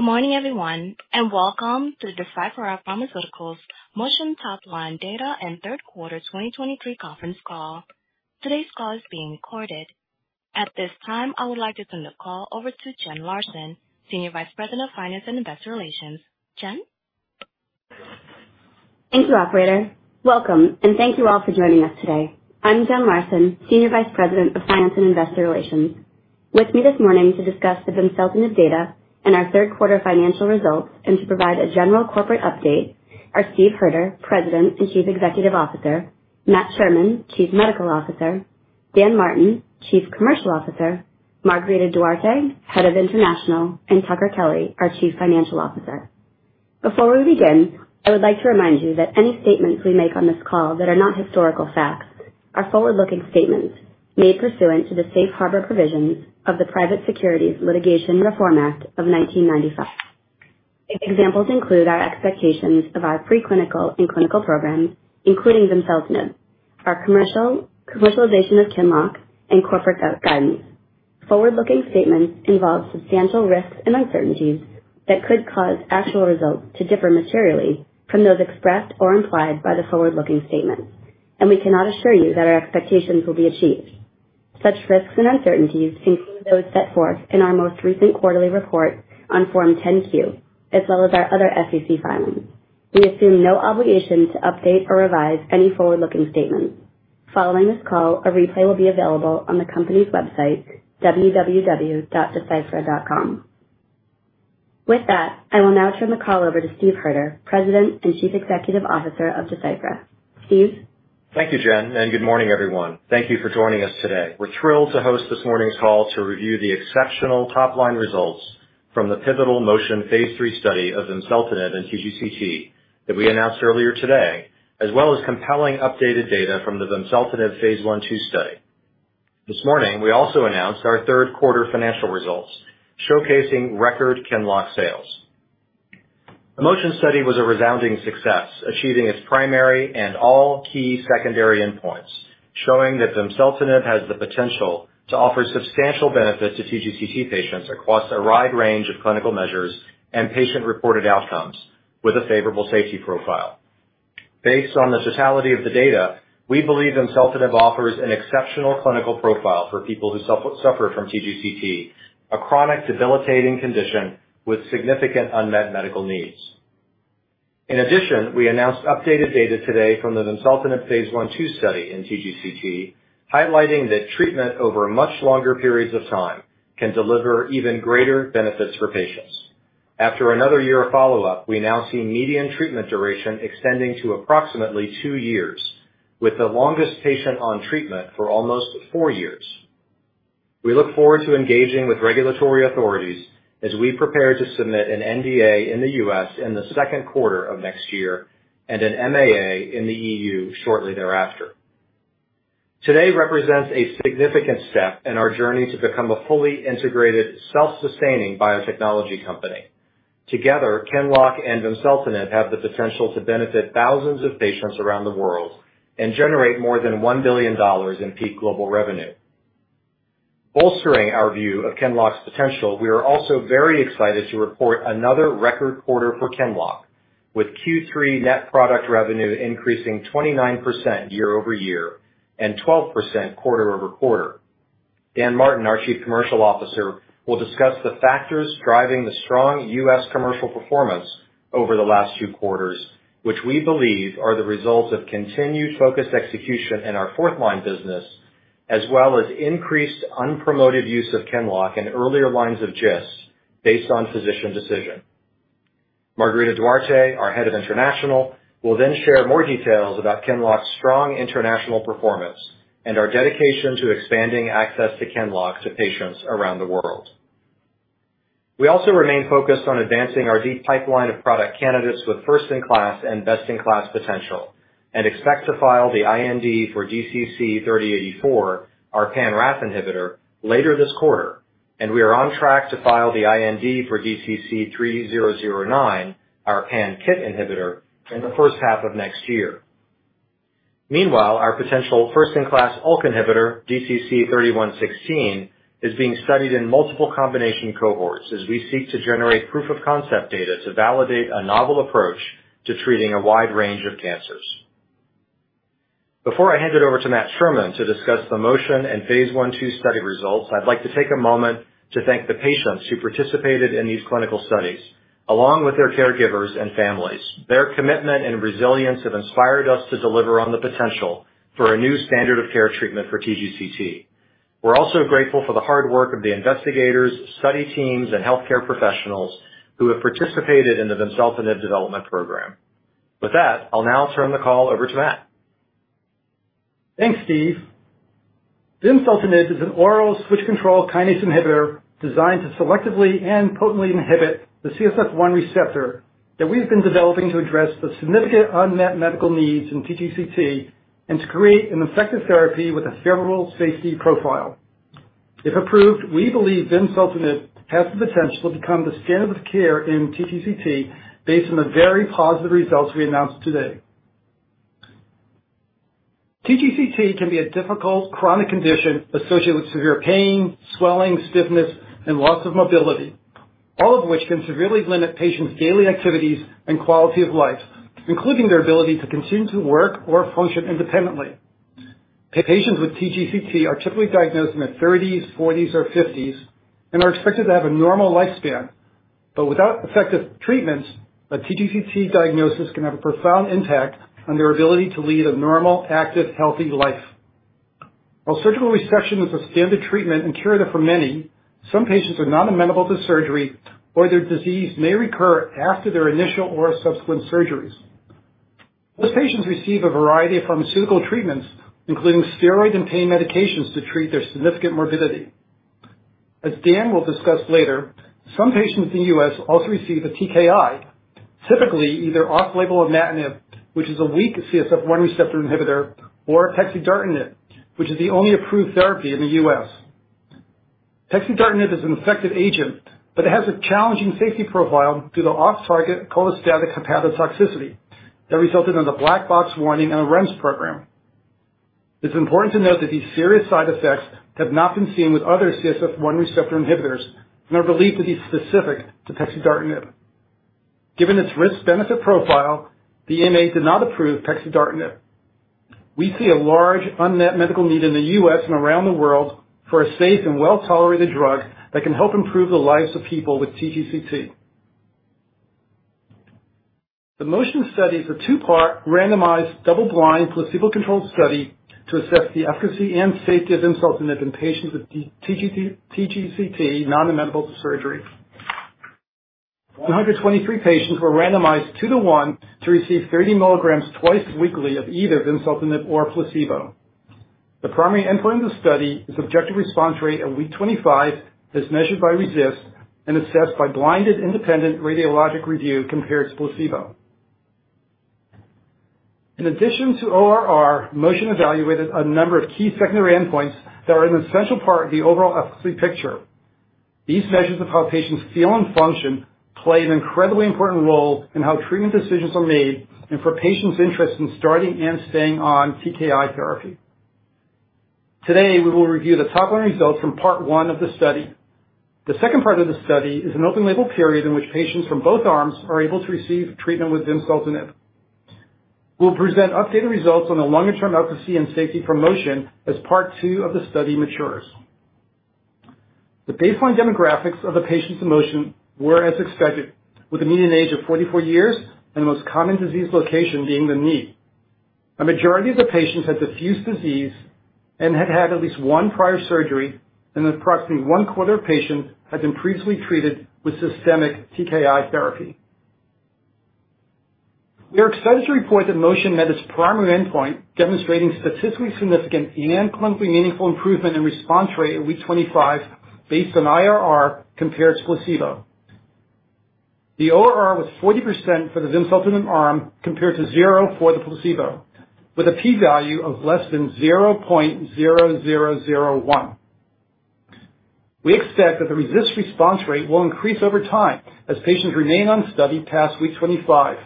Good morning, everyone, and welcome to Deciphera Pharmaceuticals' MOTION top-line data and Q3 2023 conference call. Today's call is being recorded. At this time, I would like to turn the call over to Jen Larson, Senior Vice President of Finance and Investor Relations. Jen? Thank you, Operator. Welcome, and thank you all for joining us today. I'm Jen Larson, Senior Vice President of Finance and Investor Relations. With me this morning to discuss the vimseltinib data and our Q3 financial results and to provide a general corporate update are Steve Hoerter, President and Chief Executive Officer; Matt Sherman, Chief Medical Officer; Dan Martin, Chief Commercial Officer; Margarida Duarte, Head of International; and Tucker Kelly, our Chief Financial Officer. Before we begin, I would like to remind you that any statements we make on this call that are not historical facts are forward-looking statements made pursuant to the Safe Harbor provisions of the Private Securities Litigation Reform Act of 1995. Examples include our expectations of our preclinical and clinical programs, including vimseltinib, our commercialization of QINLOCK and corporate guidance. Forward-looking statements involve substantial risks and uncertainties that could cause actual results to differ materially from those expressed or implied by the forward-looking statements, and we cannot assure you that our expectations will be achieved. Such risks and uncertainties include those set forth in our most recent quarterly report on Form 10-Q, as well as our other SEC filings. We assume no obligation to update or revise any forward-looking statements. Following this call, a replay will be available on the company's website, www.deciphera.com. With that, I will now turn the call over to Steve Hoerter, President and Chief Executive Officer of Deciphera. Steve? Thank you, Jen, and good morning, everyone. Thank you for joining us today. We're thrilled to host this morning's call to review the exceptional top-line results from the pivotal MOTION phase III study of vimseltinib in TGCT that we announced earlier today, as well as compelling updated data from the vimseltinib phase I/II study. This morning, we also announced our Q3 financial results, showcasing record QINLOCK sales. The MOTION study was a resounding success, achieving its primary and all key secondary endpoints, showing that vimseltinib has the potential to offer substantial benefit to TGCT patients across a wide range of clinical measures and patient-reported outcomes with a favorable safety profile. Based on the totality of the data, we believe vimseltinib offers an exceptional clinical profile for people who suffer from TGCT, a chronic, debilitating condition with significant unmet medical needs. In addition, we announced updated data today from the vimseltinib phase I/II study in TGCT, highlighting that treatment over much longer periods of time can deliver even greater benefits for patients. After another year of follow-up, we now see median treatment duration extending to approximately two years, with the longest patient on treatment for almost four years. We look forward to engaging with regulatory authorities as we prepare to submit an NDA in the U.S. in the Q2 of next year and an MAA in the E.U. shortly thereafter. Today represents a significant step in our journey to become a fully integrated, self-sustaining biotechnology company. Together, QINLOCK and vimseltinib have the potential to benefit thousands of patients around the world and generate more than $1 billion in peak global revenue. Bolstering our view of QINLOCK's potential, we are also very excited to report another record quarter for QINLOCK, with Q3 net product revenue increasing 29% year-over-year and 12% quarter-over-quarter. Dan Martin, our Chief Commercial Officer, will discuss the factors driving the strong U.S. commercial performance over the last two quarters, which we believe are the result of continued focused execution in our fourth-line business, as well as increased unpromoted use of QINLOCK in earlier lines of GIST based on physician decision. Margarida Duarte, our Head of International, will then share more details about QINLOCK's strong international performance and our dedication to expanding access to QINLOCK to patients around the world. We also remain focused on advancing our deep pipeline of product candidates with first-in-class and best-in-class potential and expect to file the IND for DCC-3084, our pan-RAS inhibitor, later this quarter, and we are on track to file the IND for DCC-3009, our pan-KIT inhibitor, in the first half of next year. Meanwhile, our potential first-in-class ALK inhibitor, DCC-3116, is being studied in multiple combination cohorts as we seek to generate proof-of-concept data to validate a novel approach to treating a wide range of cancers. Before I hand it over to Matt Sherman to discuss the MOTION and phase I/II study results, I'd like to take a moment to thank the patients who participated in these clinical studies, along with their caregivers and families. Their commitment and resilience have inspired us to deliver on the potential for a new standard of care treatment for TGCT. We're also grateful for the hard work of the investigators, study teams, and healthcare professionals who have participated in the vimseltinib development program. With that, I'll now turn the call over to Matt. Thanks, Steve. Vimseltinib is an oral switch-control kinase inhibitor designed to selectively and potently inhibit the CSF1 receptor that we've been developing to address the significant unmet medical needs in TGCT and to create an effective therapy with a favorable safety profile. If approved, we believe vimseltinib has the potential to become the standard of care in TGCT based on the very positive results we announced today. TGCT can be a difficult chronic condition associated with severe pain, swelling, stiffness, and loss of mobility, all of which can severely limit patients' daily activities and quality of life, including their ability to continue to work or function independently. Patients with TGCT are typically diagnosed in their thirties, forties, or fifties and are expected to have a normal lifespan. But without effective treatments, a TGCT diagnosis can have a profound impact on their ability to lead a normal, active, healthy life. While surgical resection is a standard treatment and curative for many, some patients are not amenable to surgery, or their disease may recur after their initial or subsequent surgeries. Those patients receive a variety of pharmaceutical treatments, including steroid and pain medications, to treat their significant morbidity. As Dan will discuss later, some patients in the U.S. also receive a TKI, typically either off-label imatinib, which is a weak CSF1 receptor inhibitor, or pexidartinib, which is the only approved therapy in the U.S. Pexidartinib is an effective agent, but it has a challenging safety profile due to off-target cholestatic hepatotoxicity that resulted in the black box warning and a REMS program. It's important to note that these serious side effects have not been seen with other CSF1 receptor inhibitors and are believed to be specific to pexidartinib. Given its risk-benefit profile, the EMA did not approve pexidartinib. We see a large unmet medical need in the U.S. and around the world for a safe and well-tolerated drug that can help improve the lives of people with TGCT. The MOTION Study is a two-part, randomized, double-blind, placebo-controlled study to assess the efficacy and safety of vimseltinib in patients with TGCT, TGCT, not amenable to surgery. 123 patients were randomized 2:1 to receive 30 mg twice weekly of either vimseltinib or placebo. The primary endpoint of the study is objective response rate at Week 25, as measured by RECIST and assessed by blinded independent radiologic review compared to placebo. In addition to ORR, MOTION evaluated a number of key secondary endpoints that are an essential part of the overall efficacy picture. These measures of how patients feel and function play an incredibly important role in how treatment decisions are made and for patients' interest in starting and staying on TKI therapy. Today, we will review the top-line results from part 1 of the study. The second part of the study is an open-label period in which patients from both arms are able to receive treatment with vimseltinib. We'll present updated results on the longer-term efficacy and safety for MOTION as part 2 of the study matures. The baseline demographics of the patients in MOTION were as expected, with a median age of 44 years and the most common disease location being the knee. A majority of the patients had diffuse disease and had had at least one prior surgery, and approximately one-quarter of patients had been previously treated with systemic TKI therapy. We are excited to report that MOTION met its primary endpoint, demonstrating statistically significant and clinically meaningful improvement in response rate at week 25, based on IRR compared to placebo. The ORR was 40% for the vimseltinib arm, compared to 0% for the placebo, with a P value of <0.0001. We expect that the best response rate will increase over time as patients remain on study past week 25,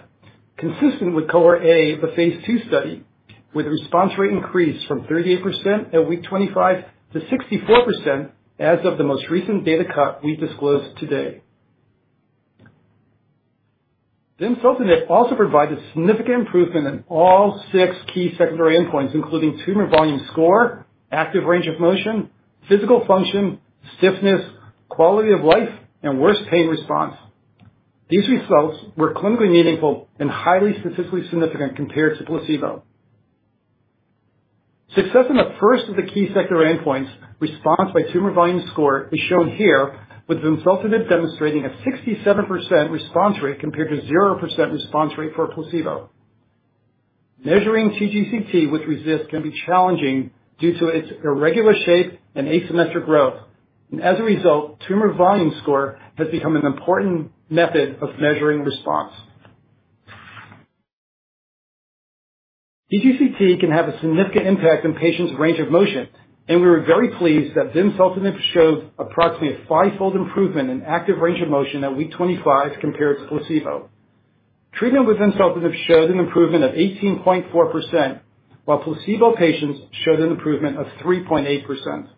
consistent with Cohort A, the phase II study, where the response rate increased from 38% at week 25 to 64% as of the most recent data cut we've disclosed today. Vimseltinib also provided significant improvement in all six key secondary endpoints, including tumor volume score, active range of motion, physical function, stiffness, quality of life, and worse pain response. These results were clinically meaningful and highly statistically significant compared to placebo. Success in the first of the key secondary endpoints, response by tumor volume score, is shown here, with vimseltinib demonstrating a 67% response rate compared to 0% response rate for placebo. Measuring TGCT with RECIST can be challenging due to its irregular shape and asymmetric growth, and as a result, tumor volume score has become an important method of measuring response. TGCT can have a significant impact on patients' range of motion, and we were very pleased that vimseltinib showed approximately a fivefold improvement in active range of motion at week 25 compared to placebo. Treatment with vimseltinib showed an improvement of 18.4%, while placebo patients showed an improvement of 3.8%.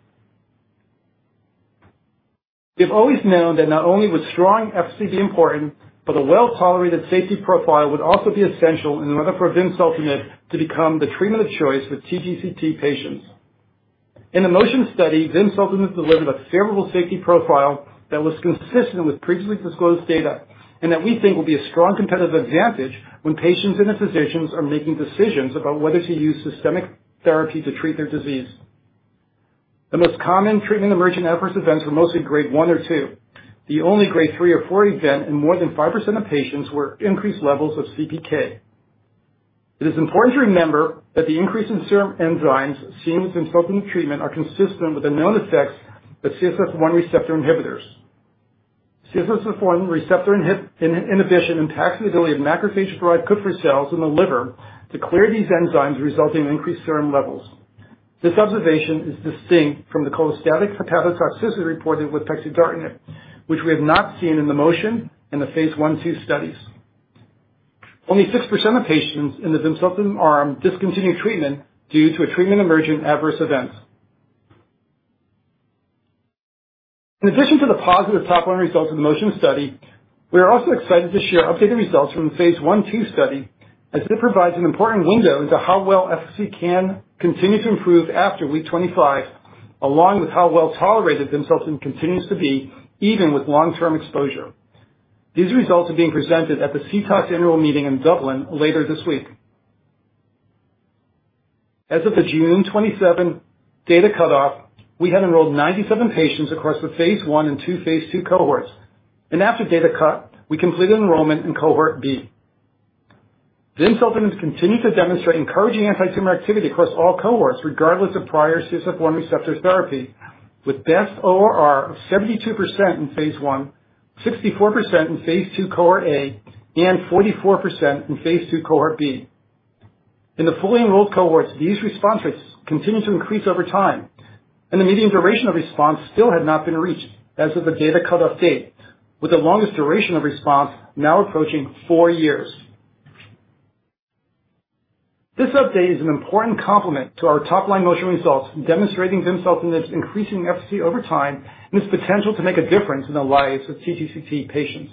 We've always known that not only was strong efficacy important, but a well-tolerated safety profile would also be essential in order for vimseltinib to become the treatment of choice for TGCT patients. In the MOTION study, vimseltinib delivered a favorable safety profile that was consistent with previously disclosed data and that we think will be a strong competitive advantage when patients and their physicians are making decisions about whether to use systemic therapy to treat their disease. The most common treatment-emergent adverse events were mostly Grade 1 or 2. The only Grade 3 or 4 event in more than 5% of patients were increased levels of CPK. It is important to remember that the increase in serum enzymes seen with vimseltinib treatment are consistent with the known effects of CSF1 receptor inhibitors. CSF1 receptor inhibition impacts the ability of macrophages to provide Kupffer cells in the liver to clear these enzymes, resulting in increased serum levels. This observation is distinct from the cholestatic hepatic toxicity reported with pexidartinib, which we have not seen in the MOTION phase I/II studies. Only 6% of patients in the vimseltinib arm discontinued treatment due to a treatment-emergent adverse event. In addition to the positive top line results of the MOTION study, we are also excited to share updated results from the phase I/II study, as it provides an important window into how well FC can continue to improve after week 25, along with how well tolerated vimseltinib continues to be, even with long-term exposure. These results are being presented at the CTOS annual meeting in Dublin later this week. As of the June 27 data cutoff, we had enrolled 97 patients across the phase I and two phase II cohorts, and after data cut, we completed enrollment in cohort B. Vimseltinib continued to demonstrate encouraging antitumor activity across all cohorts, regardless of prior CSF1R therapy, with best ORR of 72% in phase I, 64% in phase II, cohort A, and 44% in phase II, cohort B. In the fully enrolled cohorts, these response rates continued to increase over time, and the median duration of response still had not been reached as of the data cutoff date, with the longest duration of response now approaching four years. This update is an important complement to our top line MOTION results, demonstrating vimseltinib, increasing FC over time and its potential to make a difference in the lives of TGCT patients.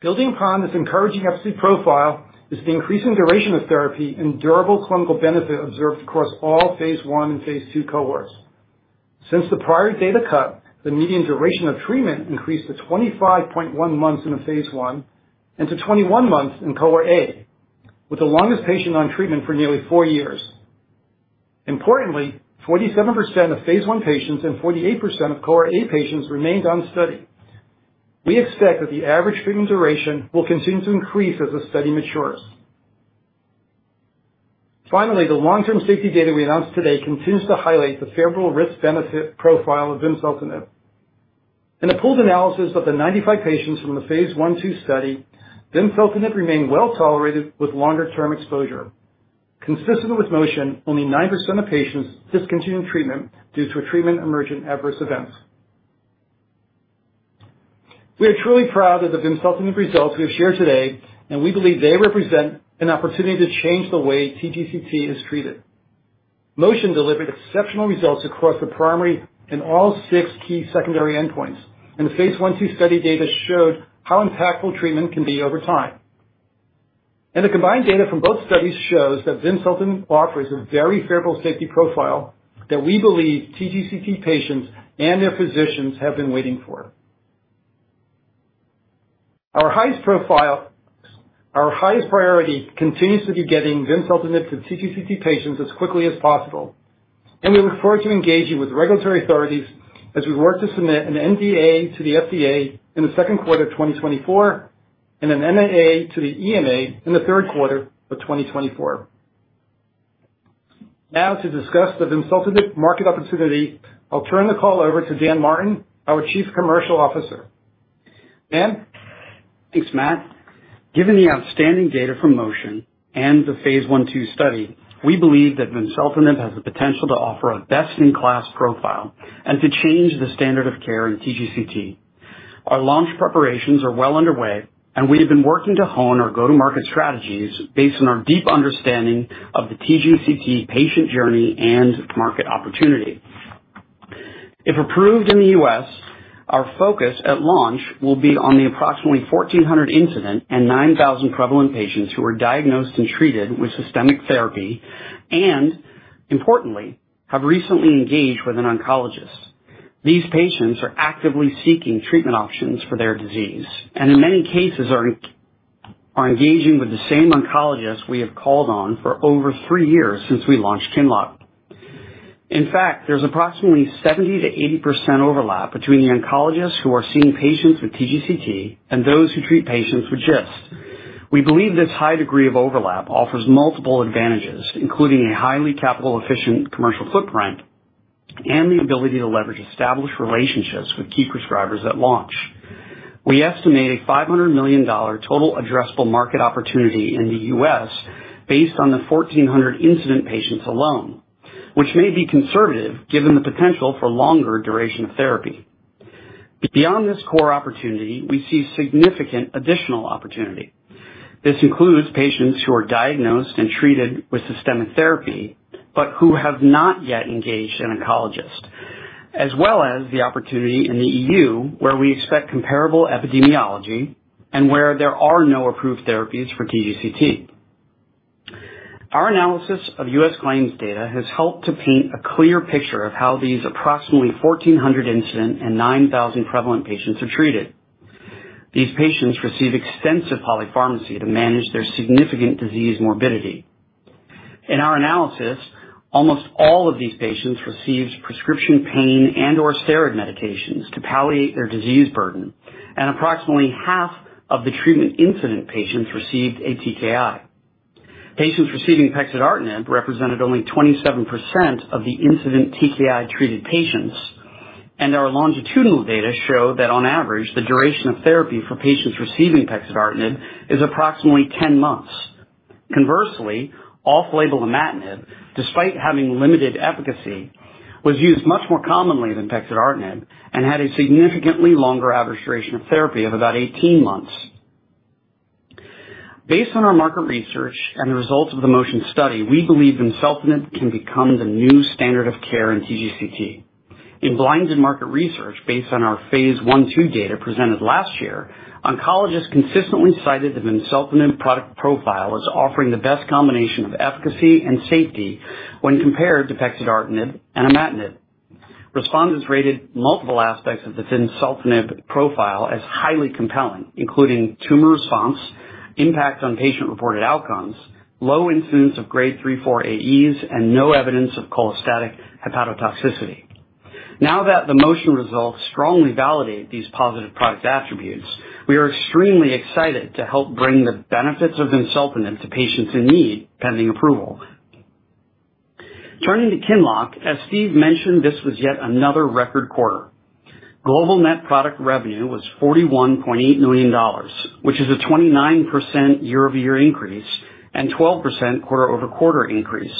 Building upon this encouraging FC profile is the increasing duration of therapy and durable clinical benefit observed across all phase I and phase II cohorts. Since the prior data cut, the median duration of treatment increased to 25.1 months in the phase I and to 21 months in cohort A, with the longest patient on treatment for nearly four years. Importantly, 47% of phase I patients and 48% of cohort A patients remained on study. We expect that the average treatment duration will continue to increase as the study matures. Finally, the long-term safety data we announced today continues to highlight the favorable risk-benefit profile of vimseltinib. In a pooled analysis of the 95 patients from the phase I/II study, vimseltinib remained well tolerated with longer term exposure. Consistent with MOTION, only 9% of patients discontinued treatment due to a treatment emergent adverse events. We are truly proud of the vimseltinib results we have shared today, and we believe they represent an opportunity to change the way TGCT is treated. MOTION delivered exceptional results across the primary and all six key secondary endpoints, and the phase I/II study data showed how impactful treatment can be over time. The combined data from both studies shows that vimseltinib offers a very favorable safety profile that we believe TGCT patients and their physicians have been waiting for. Our highest profile, our highest priority continues to be getting vimseltinib to TGCT patients as quickly as possible, and we look forward to engaging with regulatory authorities as we work to submit an NDA to the FDA in the Q2 of 2024 and an MAA to the EMA in the Q3 of 2024. Now to discuss the vimseltinib market opportunity, I'll turn the call over to Dan Martin, our Chief Commercial Officer. Dan? Thanks, Matt. Given the outstanding data from MOTION and the phase I/II study, we believe that vimseltinib has the potential to offer a best-in-class profile and to change the standard of care in TGCT. Our launch preparations are well underway, and we have been working to hone our go-to-market strategies based on our deep understanding of the TGCT patient journey and market opportunity. If approved in the U.S., our focus at launch will be on the approximately 1,400 incident and 9,000 prevalent patients who are diagnosed and treated with systemic therapy and importantly, have recently engaged with an oncologist. These patients are actively seeking treatment options for their disease and in many cases, are engaging with the same oncologist we have called on for over three years since we launched QINLOCK. In fact, there's approximately 70%-80% overlap between the oncologists who are seeing patients with TGCT and those who treat patients with GIST. We believe this high degree of overlap offers multiple advantages, including a highly capital efficient commercial footprint and the ability to leverage established relationships with key prescribers at launch. We estimate a $500 million total addressable market opportunity in the U.S. based on the 1,400 incident patients alone, which may be conservative, given the potential for longer duration of therapy. Beyond this core opportunity, we see significant additional opportunity. This includes patients who are diagnosed and treated with systemic therapy but who have not yet engaged an oncologist, as well as the opportunity in the EU, where we expect comparable epidemiology and where there are no approved therapies for TGCT. Our analysis of U.S. claims data has helped to paint a clear picture of how these approximately 1,400 incident and 9,000 prevalent patients are treated. These patients receive extensive polypharmacy to manage their significant disease morbidity. In our analysis, almost all of these patients received prescription pain and/or steroid medications to palliate their disease burden, and approximately half of the treatment incident patients received ATKI. Patients receiving pexidartinib represented only 27% of the incident TKI-treated patients.... Our longitudinal data show that on average, the duration of therapy for patients receiving pexidartinib is approximately 10 months. Conversely, off-label imatinib, despite having limited efficacy, was used much more commonly than pexidartinib and had a significantly longer average duration of therapy of about 18 months. Based on our market research and the results of the MOTION study, we believe vimseltinib can become the new standard of care in TGCT. In blinded market research, based on our phase I/II data presented last year, oncologists consistently cited the vimseltinib product profile as offering the best combination of efficacy and safety when compared to pexidartinib and imatinib. Respondents rated multiple aspects of the vimseltinib profile as highly compelling, including tumor response, impact on patient-reported outcomes, low incidence of grade 3, 4 AEs, and no evidence of cholestatic hepatotoxicity. Now that the MOTION results strongly validate these positive product attributes, we are extremely excited to help bring the benefits of vimseltinib to patients in need, pending approval. Turning to QINLOCK, as Steve mentioned, this was yet another record quarter. Global net product revenue was $41.8 million, which is a 29% year-over-year increase and 12% quarter-over-quarter increase.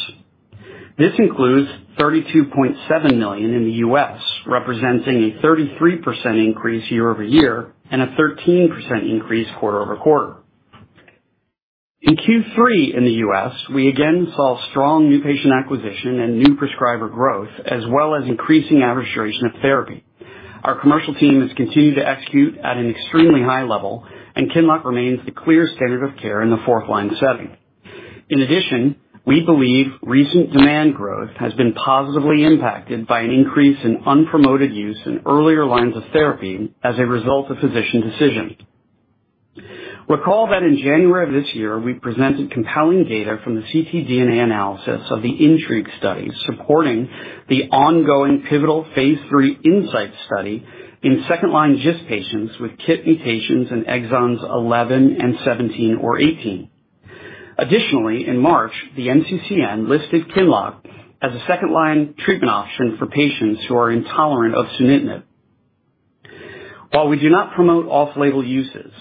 This includes $32.7 million in the U.S., representing a 33% increase year-over-year and a 13% increase quarter-over-quarter. In Q3 in the U.S., we again saw strong new patient acquisition and new prescriber growth, as well as increasing average duration of therapy. Our commercial team has continued to execute at an extremely high level, and QINLOCK remains the clear standard of care in the fourth-line setting. In addition, we believe recent demand growth has been positively impacted by an increase in unpromoted use in earlier lines of therapy as a result of physician decisions. Recall that in January of this year, we presented compelling data from the ctDNA analysis of the INTRIGUE study, supporting the ongoing pivotal phase III INSIGHT study in second-line GIST patients with KIT mutations in exons 11 and 17 or 18. Additionally, in March, the NCCN listed QINLOCK as a second-line treatment option for patients who are intolerant of sunitinib. While we do not promote off-label uses,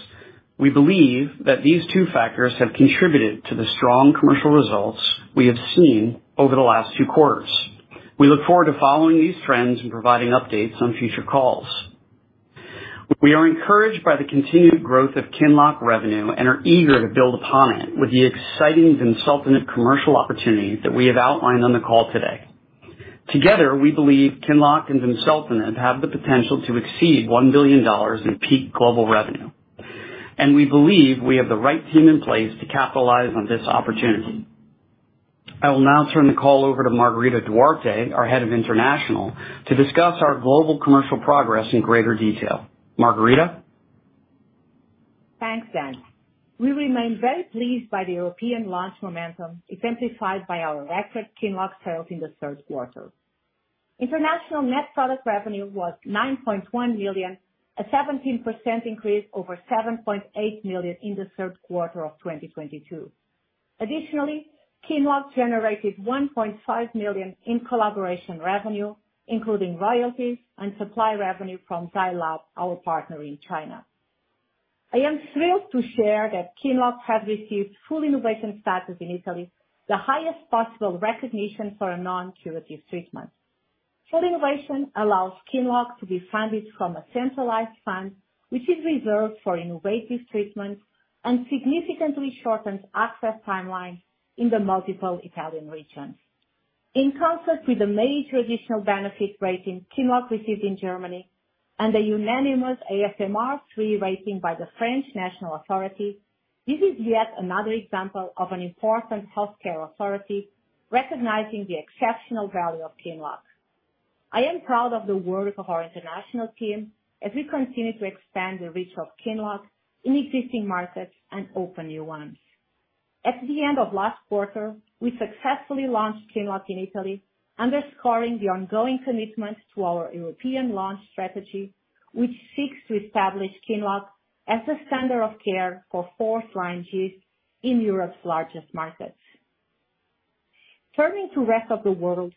we believe that these two factors have contributed to the strong commercial results we have seen over the last two quarters. We look forward to following these trends and providing updates on future calls. We are encouraged by the continued growth of QINLOCK revenue and are eager to build upon it with the exciting vimseltinib commercial opportunities that we have outlined on the call today. Together, we believe QINLOCK and vimseltinib have the potential to exceed $1 billion in peak global revenue, and we believe we have the right team in place to capitalize on this opportunity. I will now turn the call over to Margarida Duarte, our head of international, to discuss our global commercial progress in greater detail. Margarida? Thanks, Dan. We remain very pleased by the European launch momentum, exemplified by our record QINLOCK sales in the Q3. International net product revenue was $9.1 million, a 17% increase over $7.8 million in the Q3 of 2022. Additionally, QINLOCK generated $1.5 million in collaboration revenue, including royalties and supply revenue from Zai Lab, our partner in China. I am thrilled to share that QINLOCK has received full innovation status in Italy, the highest possible recognition for a non-curative treatment. Full innovation allows QINLOCK to be funded from a centralized fund, which is reserved for innovative treatments and significantly shortens access timelines in the multiple Italian regions. In concert with the main traditional benefit rating QINLOCK received in Germany and a unanimous ASMR 3 rating by the French National Authority, this is yet another example of an important healthcare authority recognizing the exceptional value of QINLOCK. I am proud of the work of our international team as we continue to expand the reach of QINLOCK in existing markets and open new ones. At the end of last quarter, we successfully launched QINLOCK in Italy, underscoring the ongoing commitment to our European launch strategy, which seeks to establish QINLOCK as a standard of care for fourth-line GIST in Europe's largest markets. Turning to rest of the world,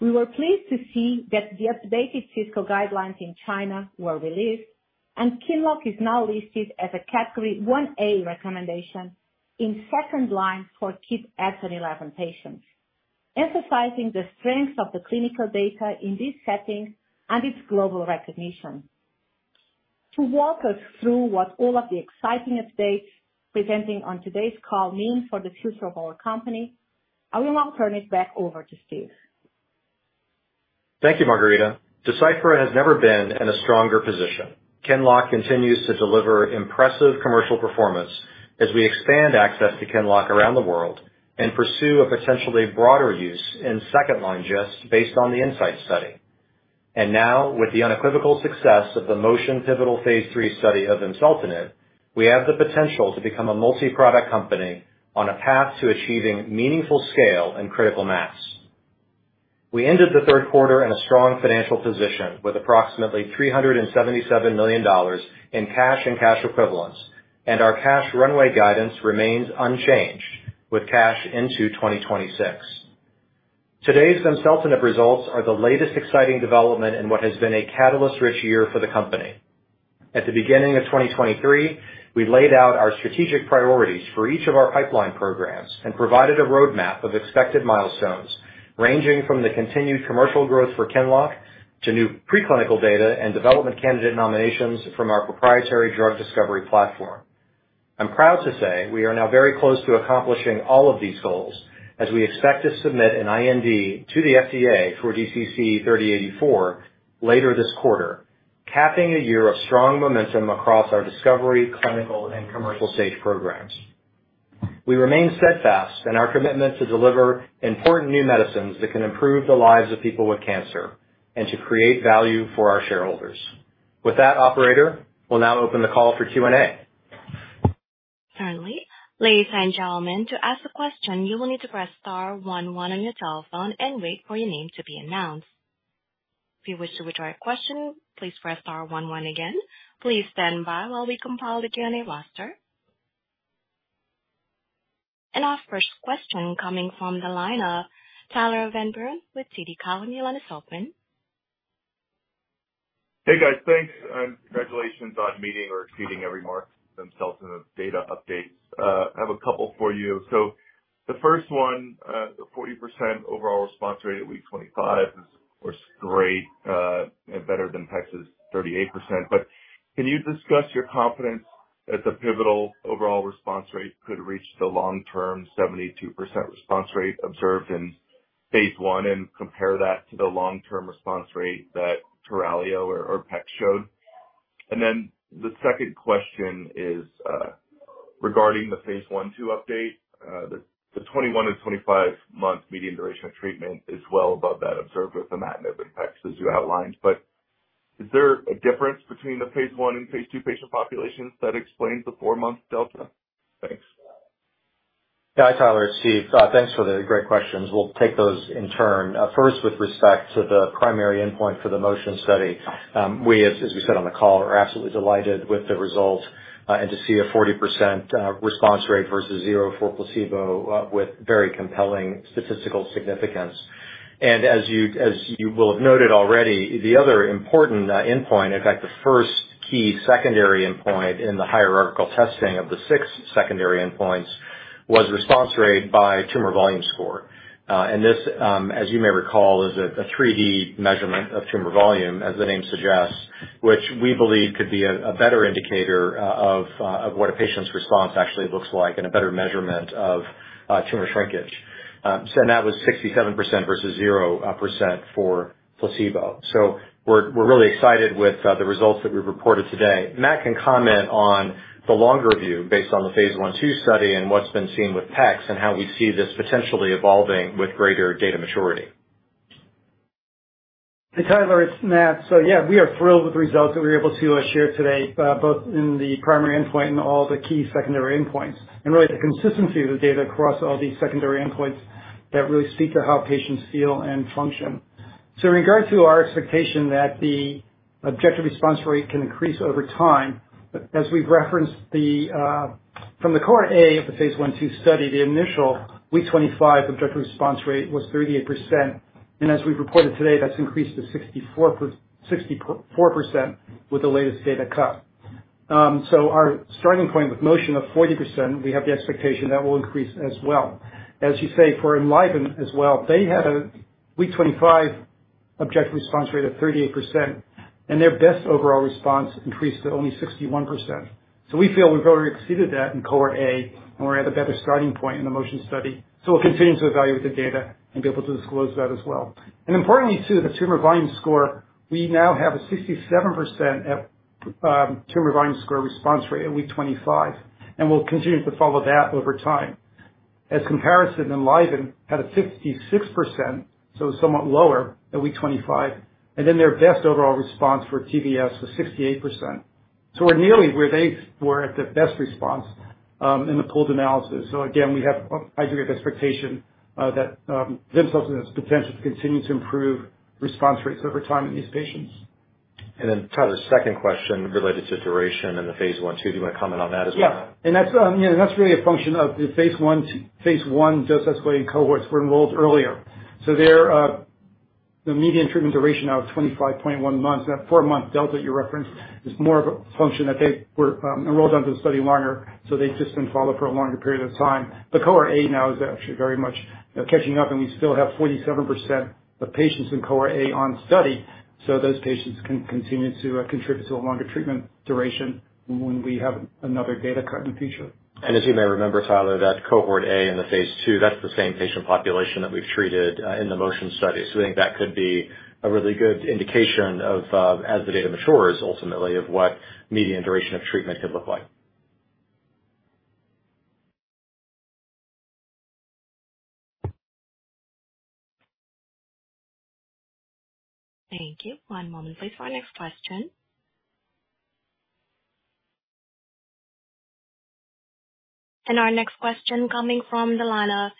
we were pleased to see that the updated fiscal guidelines in China were released, and QINLOCK is now listed as a Category 1-A recommendation in second-line for KIT exon 11 patients, emphasizing the strength of the clinical data in this setting and its global recognition. To walk us through what all of the exciting updates presenting on today's call mean for the future of our company, I will now turn it back over to Steve. Thank you, Margarida. Deciphera has never been in a stronger position. QINLOCK continues to deliver impressive commercial performance as we expand access to QINLOCK around the world and pursue a potentially broader use in second-line GIST based on the INSIGHT study. And now, with the unequivocal success of the MOTION pivotal phase III study of vimseltinib, we have the potential to become a multi-product company on a path to achieving meaningful scale and critical mass. We ended the Q3 in a strong financial position, with approximately $377 million in cash and cash equivalents. ... and our cash runway guidance remains unchanged, with cash into 2026. Today's vimseltinib results are the latest exciting development in what has been a catalyst-rich year for the company. At the beginning of 2023, we laid out our strategic priorities for each of our pipeline programs and provided a roadmap of expected milestones, ranging from the continued commercial growth for QINLOCK to new preclinical data and development candidate nominations from our proprietary drug discovery platform. I'm proud to say we are now very close to accomplishing all of these goals, as we expect to submit an IND to the FDA for DCC-3084 later this quarter, capping a year of strong momentum across our discovery, clinical, and commercial stage programs. We remain steadfast in our commitment to deliver important new medicines that can improve the lives of people with cancer and to create value for our shareholders. With that operator, we'll now open the call for Q&A. Certainly. Ladies and gentlemen, to ask a question, you will need to press star one one on your telephone and wait for your name to be announced. If you wish to withdraw a question, please press star one one again. Please stand by while we compile the Q&A roster. Our first question coming from the line of Tyler Van Buren with TD Cowen, your line is open. Hey, guys, thanks, and congratulations on meeting or exceeding every mark themselves in the data updates. I have a couple for you. So the first one, the 40% overall response rate at week 25 was great, and better than pex's 38%. But can you discuss your confidence that the pivotal overall response rate could reach the long-term 72% response rate observed in phase I, and compare that to the long-term response rate that Turalio or pex showed? And then the second question is, regarding the phase I/II update, the 21-25-month median duration of treatment is well above that observed with the imatinib arms, as you outlined. But is there a difference between the phase I and phase II patient populations that explains the four-month delta? Thanks. Yeah, Tyler, it's Steve. Thanks for the great questions. We'll take those in turn. First, with respect to the primary endpoint for the MOTION study, we, as we said on the call, are absolutely delighted with the result, and to see a 40% response rate versus 0 for placebo, with very compelling statistical significance. And as you will have noted already, the other important endpoint, in fact, the first key secondary endpoint in the hierarchical testing of the six secondary endpoints, was response rate by Tumor Volume Score. And this, as you may recall, is a 3D measurement of tumor volume, as the name suggests, which we believe could be a better indicator of what a patient's response actually looks like, and a better measurement of tumor shrinkage. So that was 67% versus 0% for placebo. So we're really excited with the results that we've reported today. Matt can comment on the longer view based on the phase I/II study and what's been seen with pex, and how we see this potentially evolving with greater data maturity. Hey, Tyler, it's Matt. So yeah, we are thrilled with the results that we're able to share today, both in the primary endpoint and all the key secondary endpoints. And really, the consistency of the data across all these secondary endpoints that really speak to how patients feel and function. So in regards to our expectation that the objective response rate can increase over time, as we've referenced, the from the cohort A of the phase I/II study, the initial week 25 objective response rate was 38%, and as we've reported today, that's increased to 64, 64% with the latest data cut. So our starting point with MOTION of 40%, we have the expectation that will increase as well. As you say, for Enliven as well, they had a week 25 objective response rate of 38%, and their best overall response increased to only 61%. So we feel we've already exceeded that in cohort A, and we're at a better starting point in the MOTION study. So we'll continue to evaluate the data and be able to disclose that as well. And importantly, too, the tumor volume score, we now have a 67% at tumor volume score response rate at week 25, and we'll continue to follow that over time. As comparison, Enliven had a 56%, so somewhat lower at week 25, and then their best overall response for TVS was 68%. So we're nearly where they were at the best response in the pooled analysis. So again, we have a high degree of expectation that vimseltinib has the potential to continue to improve response rates over time in these patients. Then, Tyler, second question related to duration and the phase I/II. Do you want to comment on that as well? Yeah, and that's, you know, that's really a function of the phase I dose escalated cohorts were enrolled earlier. So they're, the median treatment duration of 25.1 months. That four-month delta you referenced is more of a function that they were, enrolled onto the study longer, so they've just been followed up for a longer period of time. But cohort A now is actually very much, you know, catching up, and we still have 47% of patients in cohort A on study. So those patients can continue to, contribute to a longer treatment duration when we have another data cut in the future. As you may remember, Tyler, that cohort A in the phase II, that's the same patient population that we've treated in the MOTION study. So I think that could be a really good indication of, as the data matures, ultimately, of what median duration of treatment could look like. Thank you. One moment, please, for our next question. Our next question coming from the line of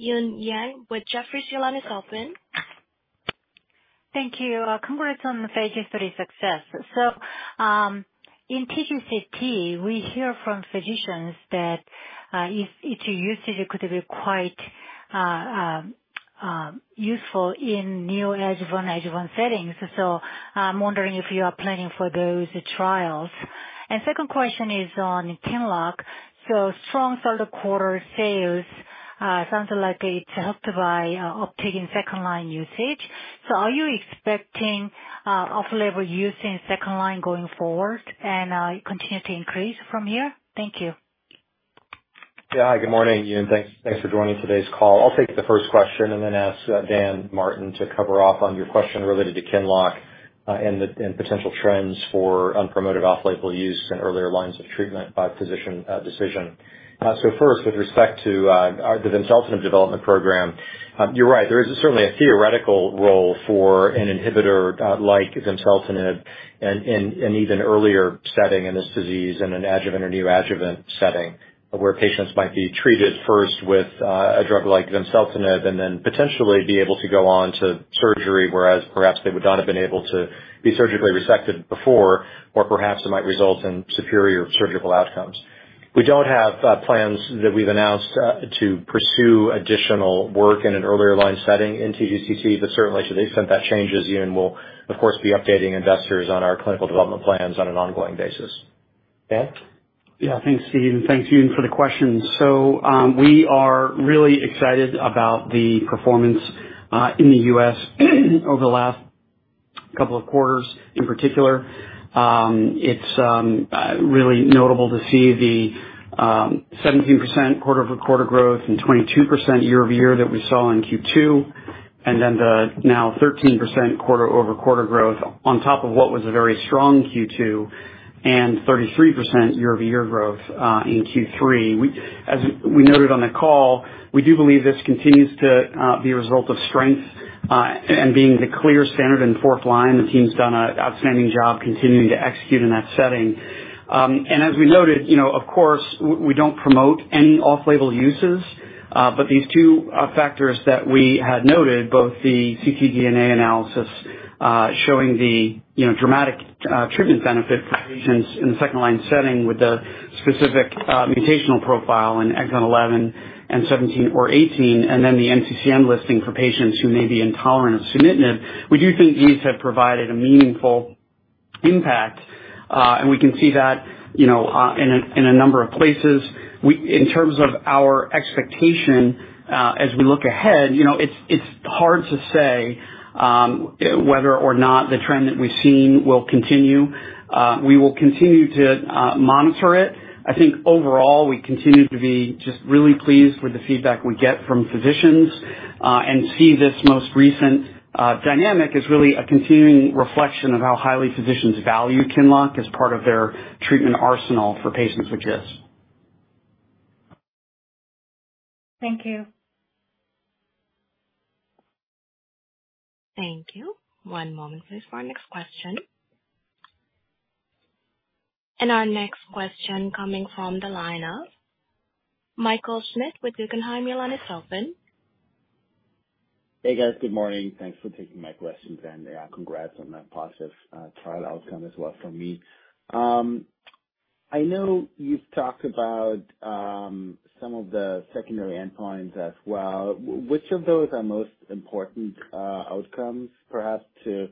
Eun Yang with Jefferies, your line is open. Thank you. Congrats on the phase III success. So, in TGCT, we hear from physicians that, its usage could be quite useful in neo-adjuvant adjuvant settings. So I'm wondering if you are planning for those trials. And second question is on QINLOCK. So strong Q3 sales, sounds like it's helped by, obtaining second line usage. So are you expecting, off-label use in second line going forward and, continue to increase from here? Thank you. Yeah. Hi, good morning, Yun. Thanks, thanks for joining today's call. I'll take the first question and then ask Dan Martin to cover off on your question related to QINLOCK, and the potential trends for unpromoted off-label use and earlier lines of treatment by physician decision. So first, with respect to our vimseltinib development program, you're right, there is certainly a theoretical role for an inhibitor like vimseltinib in an even earlier setting in this disease, in an adjuvant or neoadjuvant setting, where patients might be treated first with a drug like vimseltinib and then potentially be able to go on to surgery, whereas perhaps they would not have been able to be surgically resected before, or perhaps it might result in superior surgical outcomes. We don't have plans that we've announced to pursue additional work in an earlier line setting in TGCT, but certainly to the extent that changes, Yun, we'll of course be updating investors on our clinical development plans on an ongoing basis. Dan? Yeah, thanks, Steve, and thanks, Yun, for the question. So, we are really excited about the performance in the US over the last couple of quarters. In particular, it's really notable to see the 17% quarter-over-quarter growth and 22% year-over-year that we saw in Q2, and then the now 13% quarter-over-quarter growth on top of what was a very strong Q2 and 33% year-over-year growth in Q3. As we noted on the call, we do believe this continues to be a result of strength and being the clear standard in fourth line. The team's done a outstanding job continuing to execute in that setting. As we noted, you know, of course, we don't promote any off-label uses, but these two factors that we had noted, both the ctDNA analysis showing the, you know, dramatic treatment benefit for patients in the second-line setting with the specific mutational profile in exon 11 and 17 or 18, and then the NCCN listing for patients who may be intolerant of sunitinib. We do think these have provided a meaningful impact, and we can see that, you know, in a number of places. In terms of our expectation, as we look ahead, you know, it's hard to say whether or not the trend that we've seen will continue. We will continue to monitor it. I think overall, we continue to be just really pleased with the feedback we get from physicians, and see this most recent dynamic as really a continuing reflection of how highly physicians value QINLOCK as part of their treatment arsenal for patients with GIST. Thank you. Thank you. One moment please, for our next question. Our next question coming from the line of Michael Schmidt with Guggenheim. Your line is open. Hey, guys. Good morning. Thanks for taking my questions, and congrats on that positive trial outcome as well from me. I know you've talked about some of the secondary endpoints as well. Which of those are most important outcomes, perhaps, to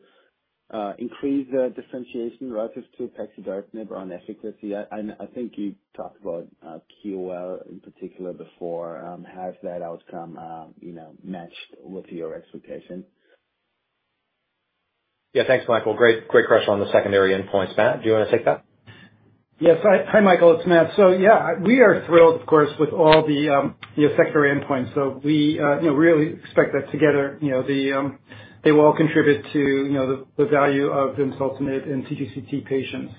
increase the differentiation relative to pexidartinib on efficacy? I think you talked about QoL in particular before. Has that outcome, you know, matched with your expectation? Yeah. Thanks, Michael. Great, great question on the secondary endpoints. Matt, do you want to take that? Yes. Hi, Michael, it's Matt. So yeah, we are thrilled, of course, with all the, the secondary endpoints. So we, you know, really expect that together, you know, the, they will all contribute to, you know, the, the value of vimseltinib in TGCT patients.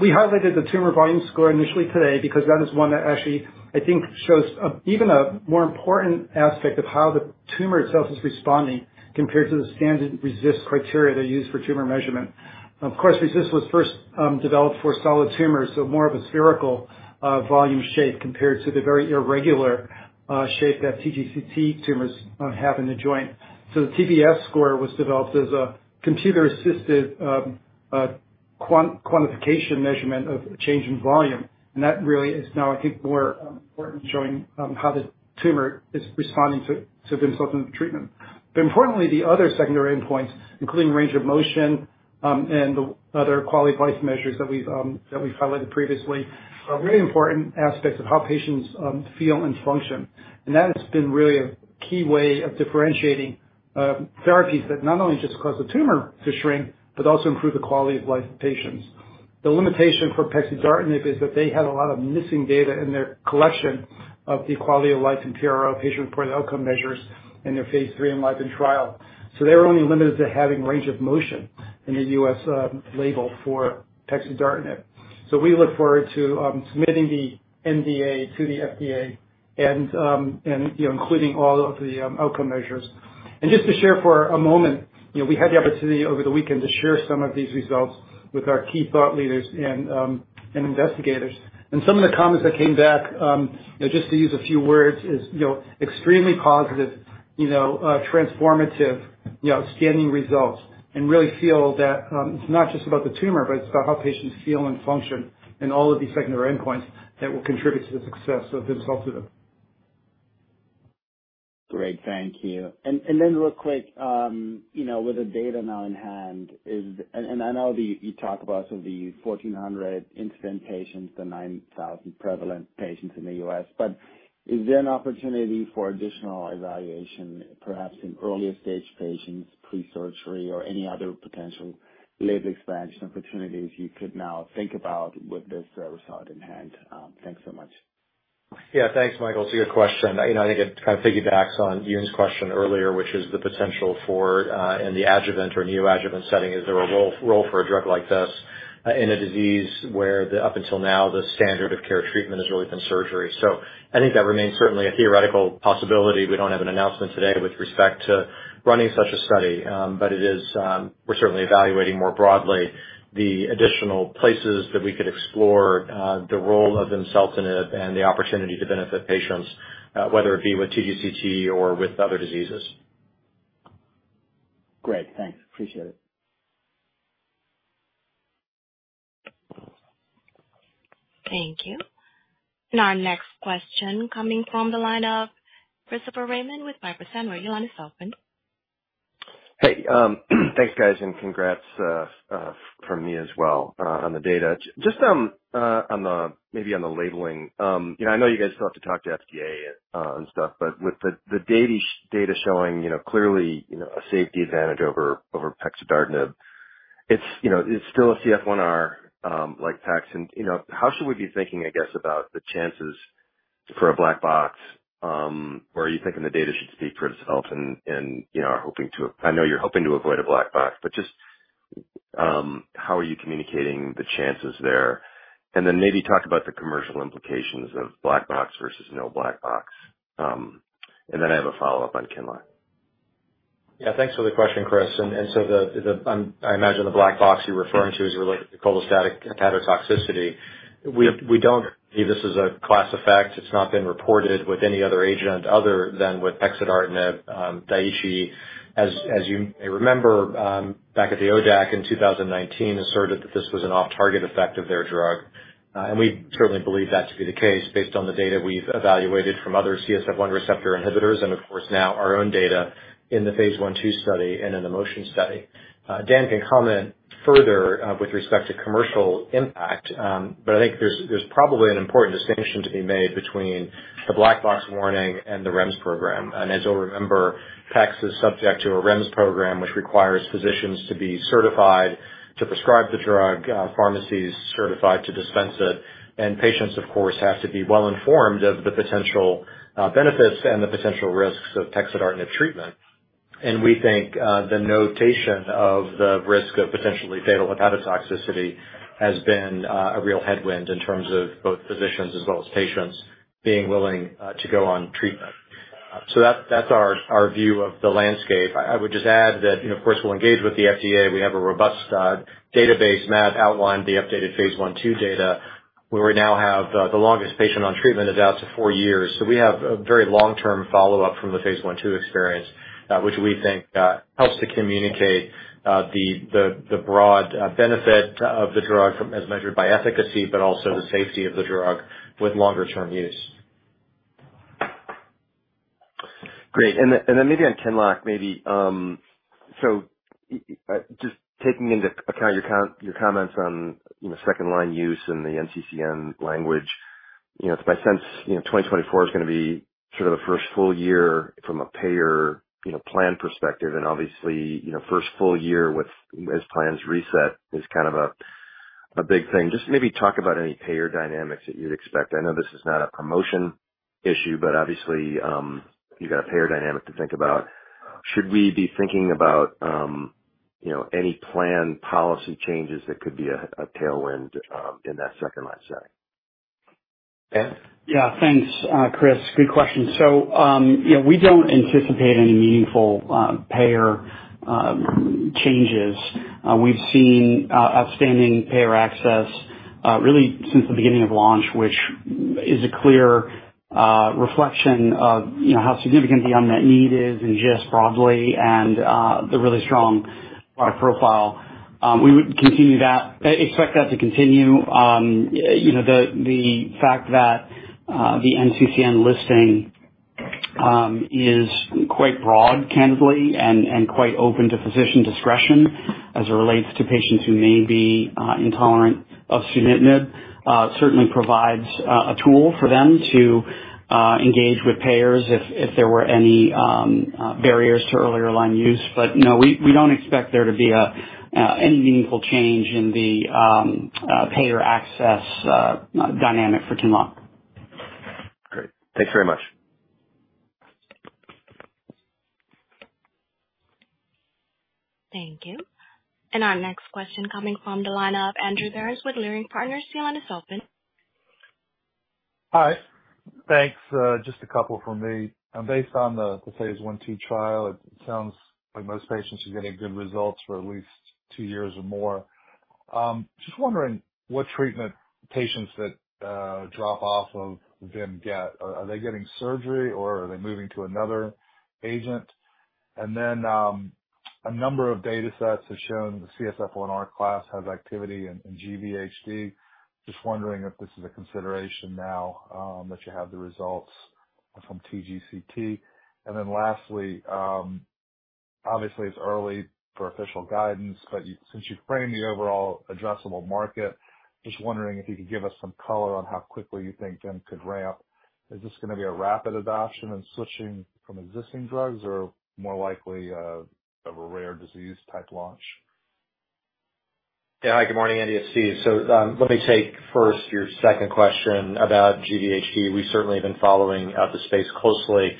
We highlighted the tumor volume score initially today, because that is one that actually, I think, shows, even a more important aspect of how the tumor itself is responding compared to the standard RECIST criteria they use for tumor measurement. Of course, RECIST was first, developed for solid tumors, so more of a spherical, volume shape compared to the very irregular, shape that TGCT tumors, have in the joint. So the TVS score was developed as a computer-assisted quantification measurement of change in volume, and that really is now, I think, more important, showing how the tumor is responding to vimseltinib treatment. But importantly, the other secondary endpoints, including range of motion, and the other quality of life measures that we've highlighted previously, are really important aspects of how patients feel and function. And that has been really a key way of differentiating therapies that not only just cause the tumor to shrink, but also improve the quality of life of patients. The limitation for pexidartinib is that they had a lot of missing data in their collection of the quality of life and PRO, patient-reported outcome measures, in their phase III ENLIVEN trial. So they were only limited to having range of motion in the U.S. label for pexidartinib. So we look forward to submitting the NDA to the FDA and, you know, including all of the outcome measures. And just to share for a moment, you know, we had the opportunity over the weekend to share some of these results with our key thought leaders and investigators. And some of the comments that came back, you know, just to use a few words, is, you know, extremely positive.... you know, transformative, you know, scanning results, and really feel that, it's not just about the tumor, but it's about how patients feel and function and all of these secondary endpoints that will contribute to the success of vimseltinib. Great, thank you. And then real quick, you know, with the data now in hand, is there an opportunity for additional evaluation, perhaps in earlier stage patients, pre-surgery, or any other potential label expansion opportunities you could now think about with this result in hand? And I know that you talk about some of the 1,400 incident patients, the 9,000 prevalent patients in the U.S., but is there an opportunity? Thanks so much. Yeah, thanks, Michael. It's a good question. You know, I think it kind of piggybacks on Yun's question earlier, which is the potential for, in the adjuvant or neoadjuvant setting, is there a role for a drug like this, in a disease where up until now the standard of care treatment has really been surgery. So I think that remains certainly a theoretical possibility. We don't have an announcement today with respect to running such a study, but it is, we're certainly evaluating more broadly the additional places that we could explore, the role of vimseltinib and the opportunity to benefit patients, whether it be with TGCT or with other diseases. Great. Thanks. Appreciate it. Thank you. Our next question coming from the line of Christopher Raymond with Piper Sandler. Your line is open. Hey, thanks, guys, and congrats from me as well on the data. Just, maybe on the labeling. You know, I know you guys still have to talk to FDA and stuff, but with the data showing clearly a safety advantage over pexidartinib, it's still a CSF1R like pex. And you know, how should we be thinking, I guess, about the chances for a black box? Or are you thinking the data should speak for itself and you know, are hoping to... I know you're hoping to avoid a black box, but just how are you communicating the chances there? And then maybe talk about the commercial implications of black box versus no black box. And then I have a follow-up on QINLOCK. Yeah, thanks for the question, Chris. And so the, the, I imagine the black box you're referring to is related to cholestatic hepatotoxicity. We, we don't see this as a class effect. It's not been reported with any other agent other than with pexidartinib. Daiichi, as, as you may remember, back at the ODAC in 2019, asserted that this was an off-target effect of their drug. And we certainly believe that to be the case based on the data we've evaluated from other CSF1 receptor inhibitors, and of course, now our own data in the phase I/II study and in the MOTION Study. Dan can comment further, with respect to commercial impact, but I think there's, there's probably an important distinction to be made between the black box warning and the REMS program. As you'll remember, Turalio is subject to a REMS program, which requires physicians to be certified to prescribe the drug, pharmacies certified to dispense it, and patients, of course, have to be well informed of the potential benefits and the potential risks of pexidartinib treatment. We think the notation of the risk of potentially fatal hepatotoxicity has been a real headwind in terms of both physicians as well as patients being willing to go on treatment. That's our view of the landscape. I would just add that, you know, of course, we'll engage with the FDA. We have a robust database. Matt outlined the updated phase I/II data, where we now have the longest patient on treatment is out to four years. We have a very long-term follow-up from the phase I/II experience, which we think helps to communicate the broad benefit of the drug as measured by efficacy, but also the safety of the drug with longer term use. Great. And then maybe on QINLOCK, maybe, so, just taking into account your comments on, you know, second line use and the NCCN language, you know, it's my sense, you know, 2024 is gonna be sort of the first full year from a payer, you know, plan perspective. And obviously, you know, first full year with as plans reset is kind of a, a big thing. Just maybe talk about any payer dynamics that you'd expect. I know this is not a promotion issue, but obviously, you've got a payer dynamic to think about. Should we be thinking about, you know, any plan policy changes that could be a, a tailwind, in that second line setting? Dan? Yeah, thanks, Chris. Good question. So, you know, we don't anticipate any meaningful payer changes. We've seen outstanding payer access really since the beginning of launch, which is a clear reflection of, you know, how significant the unmet need is in GS broadly and the really strong product profile. We would continue that. Expect that to continue. You know, the fact that the NCCN listing is quite broad, candidly, and quite open to physician discretion as it relates to patients who may be intolerant of sunitinib certainly provides a tool for them to engage with payers if there were any barriers to earlier line use. No, we don't expect there to be any meaningful change in the payer access dynamic for QINLOCK. Great. Thanks very much. Thank you. Our next question coming from the line of Andrew Harris with Leerink Partners, your line is open. Hi. Thanks. Just a couple from me. Based on the phase I/II trial, it sounds like most patients are getting good results for at least two years or more.... just wondering what treatment patients that drop off of Vim get. Are they getting surgery or are they moving to another agent? And then, a number of data sets have shown the CSF1R class has activity in GVHD. Just wondering if this is a consideration now, that you have the results from TGCT. And then lastly, obviously, it's early for official guidance, but you- since you've framed the overall addressable market, just wondering if you could give us some color on how quickly you think Vim could ramp. Is this gonna be a rapid adoption and switching from existing drugs or more likely, of a rare disease type launch? Yeah. Hi, good morning, Andy, it's Steve. So, let me take first your second question about GVHD. We've certainly been following the space closely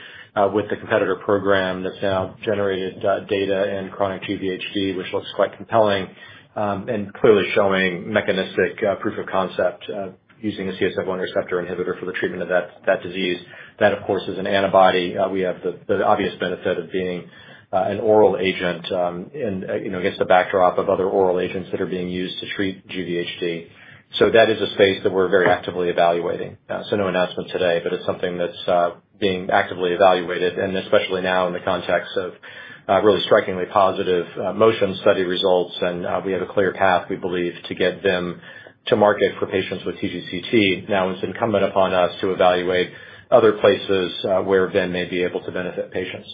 with the competitor program that's now generated data in chronic GVHD, which looks quite compelling, and clearly showing mechanistic proof of concept using a CSF1R inhibitor for the treatment of that disease. That, of course, is an antibody. We have the obvious benefit of being an oral agent, and, you know, against the backdrop of other oral agents that are being used to treat GVHD. So that is a space that we're very actively evaluating. So no announcement today, but it's something that's being actively evaluated, and especially now in the context of really strikingly positive MOTION study results. We have a clear path, we believe, to get Vim to market for patients with TGCT. Now it's incumbent upon us to evaluate other places, where Vim may be able to benefit patients.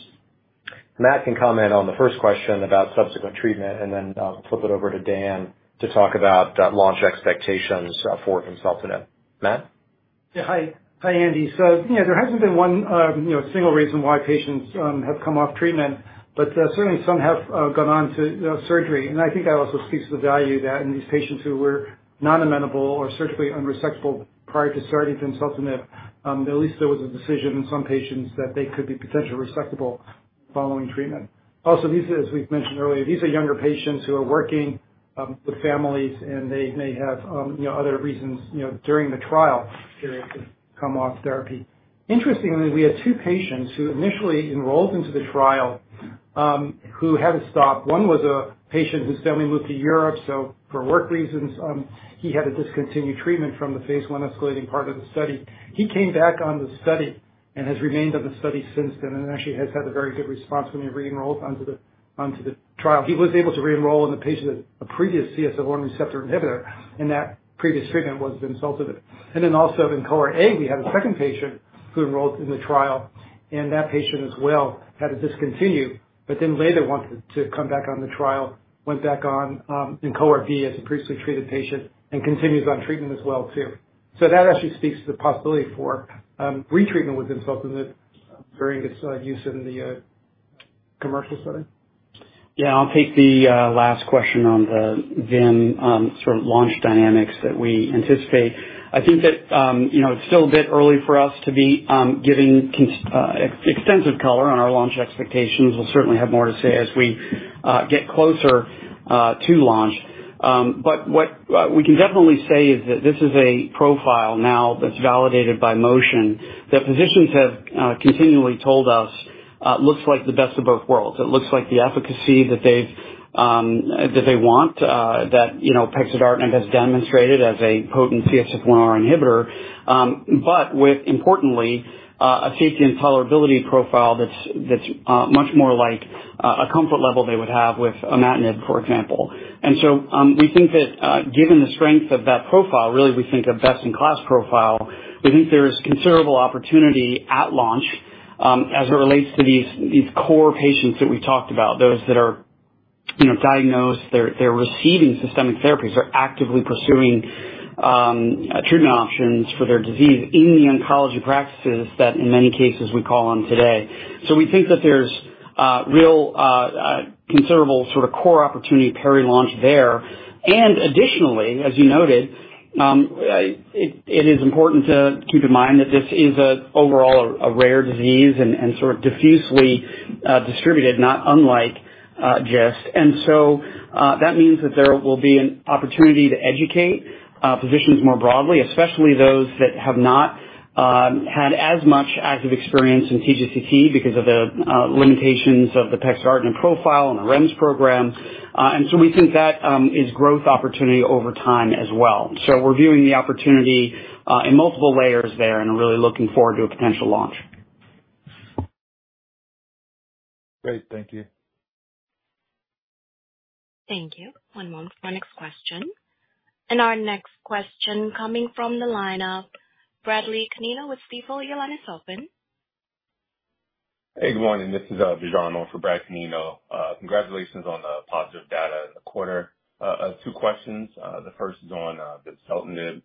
Matt can comment on the first question about subsequent treatment and then flip it over to Dan to talk about launch expectations for vimseltinib. Matt? Yeah, hi. Hi, Andy. So, you know, there hasn't been 1, you know, single reason why patients have come off treatment, but certainly some have gone on to, you know, surgery. And I think that also speaks to the value that in these patients who were non-amenable or surgically unresectable prior to starting vimseltinib, at least there was a decision in some patients that they could be potentially resectable following treatment. Also, these, as we've mentioned earlier, these are younger patients who are working with families, and they may have, you know, other reasons, you know, during the trial period to come off therapy. Interestingly, we had 2 patients who initially enrolled into the trial who had to stop. One was a patient whose family moved to Europe, so for work reasons, he had to discontinue treatment from the phase I escalating part of the study. He came back on the study and has remained on the study since then, and actually has had a very good response when he re-enrolled onto the trial. He was able to re-enroll in the patient, a previous CSF1 receptor inhibitor, and that previous treatment was vimseltinib. And then also in cohort A, we had a second patient who enrolled in the trial, and that patient as well had to discontinue, but then later wanted to come back on the trial, went back on in cohort B as a previously treated patient and continues on treatment as well, too. That actually speaks to the possibility for retreatment with vimseltinib during its use in the commercial setting. Yeah, I'll take the last question on the Vim sort of launch dynamics that we anticipate. I think that, you know, it's still a bit early for us to be giving extensive color on our launch expectations. We'll certainly have more to say as we get closer to launch. But what we can definitely say is that this is a profile now that's validated by MOTION, that physicians have continually told us looks like the best of both worlds. It looks like the efficacy that they want, you know, pexidartinib has demonstrated as a potent CSF1R inhibitor, but with importantly a safety and tolerability profile that's much more like a comfort level they would have with imatinib, for example. And so, we think that, given the strength of that profile, really we think a best-in-class profile, we think there is considerable opportunity at launch, as it relates to these, these core patients that we talked about, those that are, you know, diagnosed, they're, they're receiving systemic therapies. They're actively pursuing, treatment options for their disease in the oncology practices that, in many cases, we call on today. So we think that there's, real, considerable sort of core opportunity peri-launch there. And additionally, as you noted, it, it is important to keep in mind that this is a overall a rare disease and, and sort of diffusely, distributed, not unlike, GIST. And so, that means that there will be an opportunity to educate, physicians more broadly, especially those that have not, had as much active experience in TGCT because of the, limitations of the pexidartinib profile and the REMS program. And so we think that, is growth opportunity over time as well. So we're viewing the opportunity, in multiple layers there and really looking forward to a potential launch. Great. Thank you. Thank you. One moment for our next question. Our next question coming from the line of Bradley Canino with Stifel. Your line is open. Hey, everyone, and this is Dajarno for Brad Canino. Congratulations on the positive data in the quarter. I have two questions. The first is on the vimseltinib.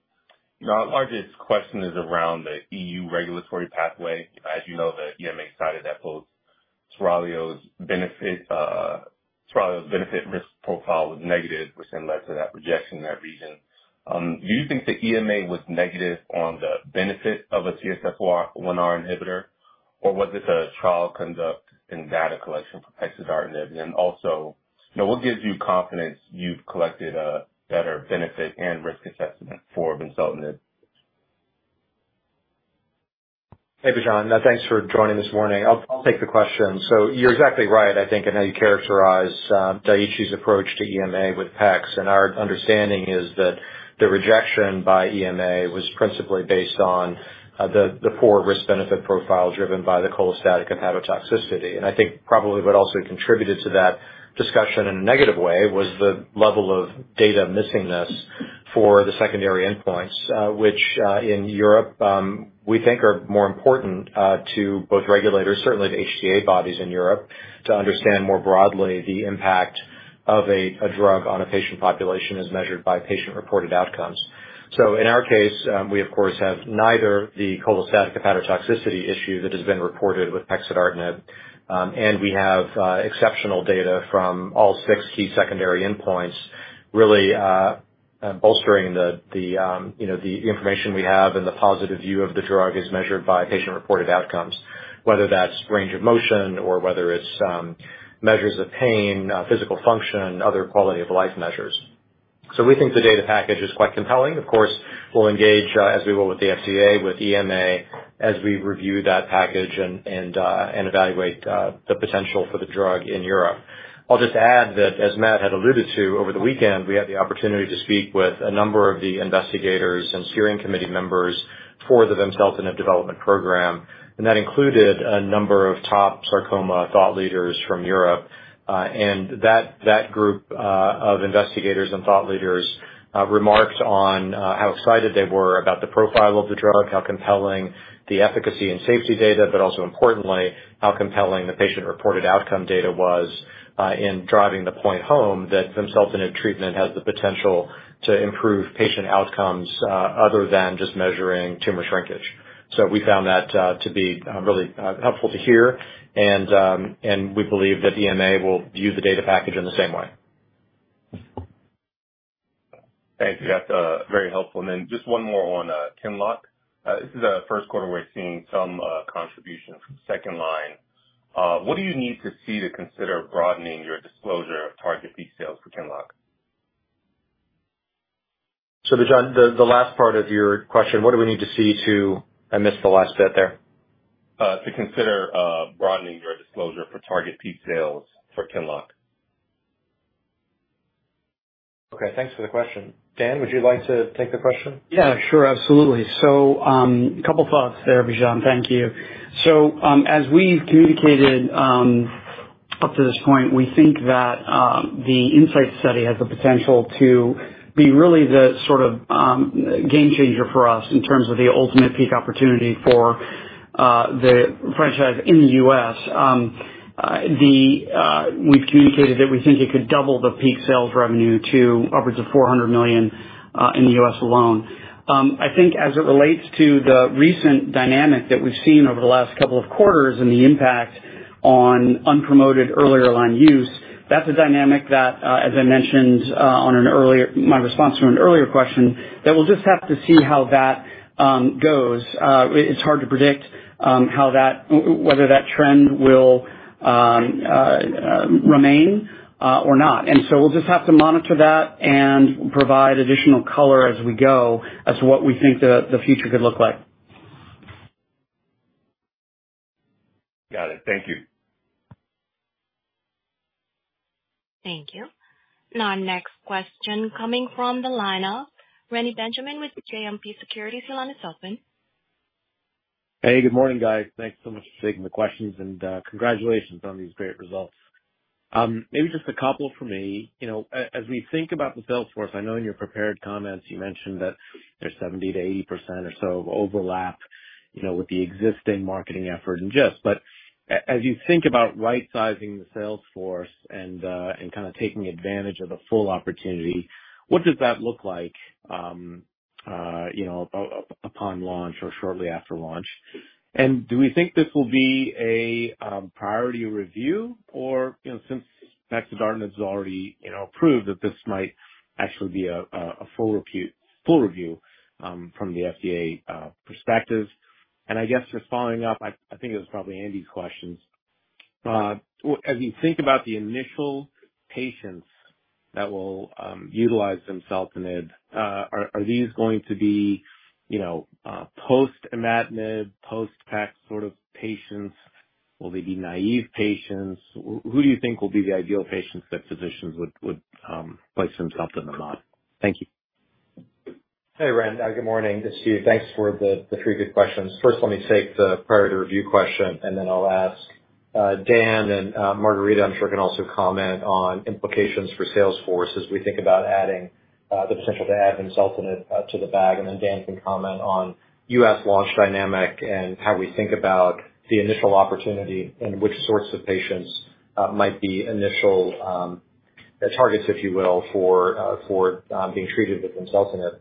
Our largest question is around the EU regulatory pathway. As you know, the EMA cited that Turalio's benefit-risk profile was negative, which then led to that rejection in that region. Do you think the EMA was negative on the benefit of a CSF1R inhibitor, or was this a trial conduct and data collection for pexidartinib? And also, you know, what gives you confidence you've collected a better benefit and risk assessment for vimseltinib? ... Hey, Bijan. Thanks for joining this morning. I'll, I'll take the question. So you're exactly right, I think, in how you characterize Daiichi's approach to EMA with PEX. And our understanding is that the rejection by EMA was principally based on the poor risk-benefit profile driven by the cholestatic hepatotoxicity. And I think probably what also contributed to that discussion in a negative way was the level of data missingness for the secondary endpoints, which in Europe we think are more important to both regulators, certainly the HTA bodies in Europe, to understand more broadly the impact of a drug on a patient population as measured by patient-reported outcomes. So in our case, we, of course, have neither the cholestatic hepatotoxicity issue that has been reported with pexidartinib, and we have exceptional data from all six key secondary endpoints, really, bolstering the, the, you know, the information we have and the positive view of the drug as measured by patient-reported outcomes, whether that's range of motion or whether it's measures of pain, physical function, other quality of life measures. So we think the data package is quite compelling. Of course, we'll engage, as we will with the FDA, with EMA, as we review that package and, and, and evaluate the potential for the drug in Europe. I'll just add that, as Matt had alluded to, over the weekend, we had the opportunity to speak with a number of the investigators and steering committee members for the vimseltinib development program, and that included a number of top sarcoma thought leaders from Europe. That group of investigators and thought leaders remarked on how excited they were about the profile of the drug, how compelling the efficacy and safety data, but also importantly, how compelling the patient-reported outcome data was in driving the point home that vimseltinib treatment has the potential to improve patient outcomes, other than just measuring tumor shrinkage. We found that to be really helpful to hear. We believe the EMA will view the data package in the same way. Thanks. That's very helpful. And then just one more on QINLOCK. This is the Q1 we're seeing some contribution from second line. What do you need to see to consider broadening your disclosure of target peak sales for QINLOCK? So Bijan, the last part of your question, what do we need to see to... I missed the last bit there. To consider broadening your disclosure for target peak sales for QINLOCK. Okay, thanks for the question. Dan, would you like to take the question? Yeah, sure. Absolutely. So, a couple thoughts there, Bijan. Thank you. So, as we've communicated, up to this point, we think that, the INSIGHT study has the potential to be really the sort of, game changer for us in terms of the ultimate peak opportunity for, the franchise in the U.S. We've communicated that we think it could double the peak sales revenue to upwards of $400 million, in the U.S. alone. I think as it relates to the recent dynamic that we've seen over the last couple of quarters and the impact on unpromoted earlier line use, that's a dynamic that, as I mentioned, on an earlier—my response to an earlier question, that we'll just have to see how that, goes. It's hard to predict how that—whether that trend will remain or not. We'll just have to monitor that and provide additional color as we go as to what we think the future could look like. Got it. Thank you. Thank you. Now, our next question coming from the line of Reni Benjamin with JMP Securities. Hello, and welcome. Hey, good morning, guys. Thanks so much for taking the questions, and congratulations on these great results. Maybe just a couple for me. You know, as we think about the sales force, I know in your prepared comments you mentioned that there's 70%-80% or so of overlap, you know, with the existing marketing effort in GIST. As you think about right-sizing the sales force and kind of taking advantage of the full opportunity, what does that look like, you know, upon launch or shortly after launch? Do we think this will be a priority review? You know, since pexidartinib is already, you know, approved, this might actually be a full review from the FDA perspective. I guess just following up, I think it was probably Andy's questions. As you think about the initial patients that will utilize vimseltinib, are these going to be, you know, post-imatinib, post-PAC sort of patients? Will they be naive patients? Who do you think will be the ideal patients that physicians would place vimseltinib on? Thank you. Hey, Ren. Good morning. This is Steve. Thanks for the three good questions. First, let me take the priority review question, and then I'll ask Dan, and Margarida, I'm sure, can also comment on implications for sales force as we think about adding the potential to add vimseltinib to the bag. Dan can comment on US launch dynamic and how we think about the initial opportunity and which sorts of patients might be initial targets, if you will, for being treated with vimseltinib.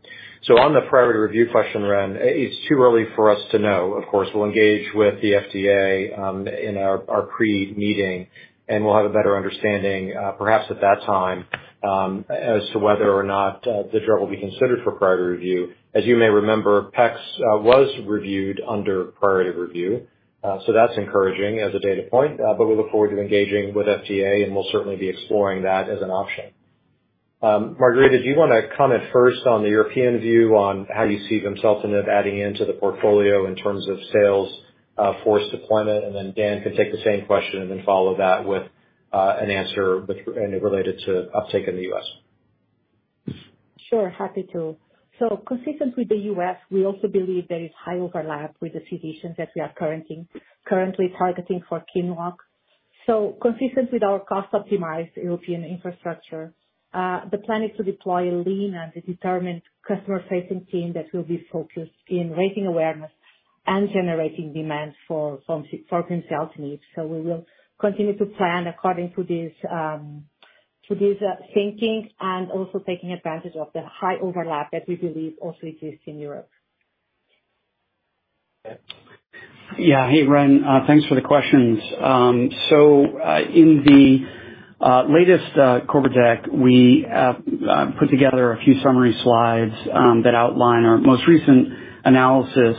On the priority review question, Ren, it's too early for us to know. Of course, we'll engage with the FDA in our pre-meeting, and we'll have a better understanding, perhaps at that time, as to whether or not the drug will be considered for priority review. As you may remember, PEX was reviewed under priority review, so that's encouraging as a data point. But we look forward to engaging with FDA, and we'll certainly be exploring that as an option. Margarida, do you want to comment first on the European view on how you see themselves in adding into the portfolio in terms of sales force deployment? And then Dan can take the same question and then follow that with an answer which, and related to uptake in the US. Sure, happy to. So consistent with the US, we also believe there is high overlap with the physicians that we are currently targeting for QINLOCK. So consistent with our cost optimized European infrastructure, the plan is to deploy a lean and determined customer-facing team that will be focused in raising awareness and generating demand for vimseltinib. So we will continue to plan according to this thinking, and also taking advantage of the high overlap that we believe also exists in Europe. Okay. Yeah. Hey, Ren. Thanks for the questions. So, in the latest corporate deck, we put together a few summary slides that outline our most recent analysis.